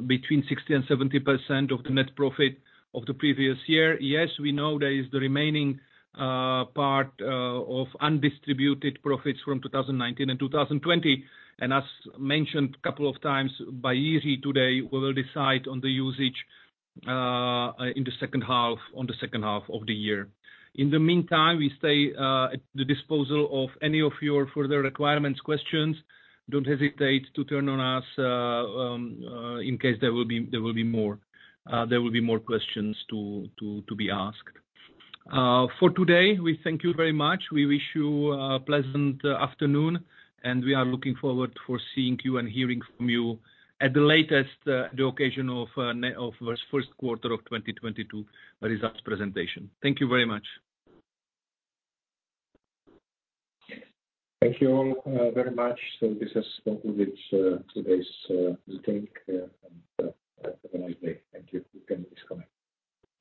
between 60%-70% of the net profit of the previous year. Yes, we know there is the remaining part of undistributed profits from 2019 and 2020, and as mentioned couple of times by Jiri today, we will decide on the usage in the second half of the year. In the meantime, we stay at the disposal of any of your further requirements, questions. Don't hesitate to turn to us in case there will be more questions to be asked. For today, we thank you very much. We wish you a pleasant afternoon and we are looking forward for seeing you and hearing from you at the latest the occasion of next of first quarter of 2022 results presentation. Thank you very much. Thank you all, very much. This has concluded today's meeting. Have a nice day. Thank you. You can disconnect.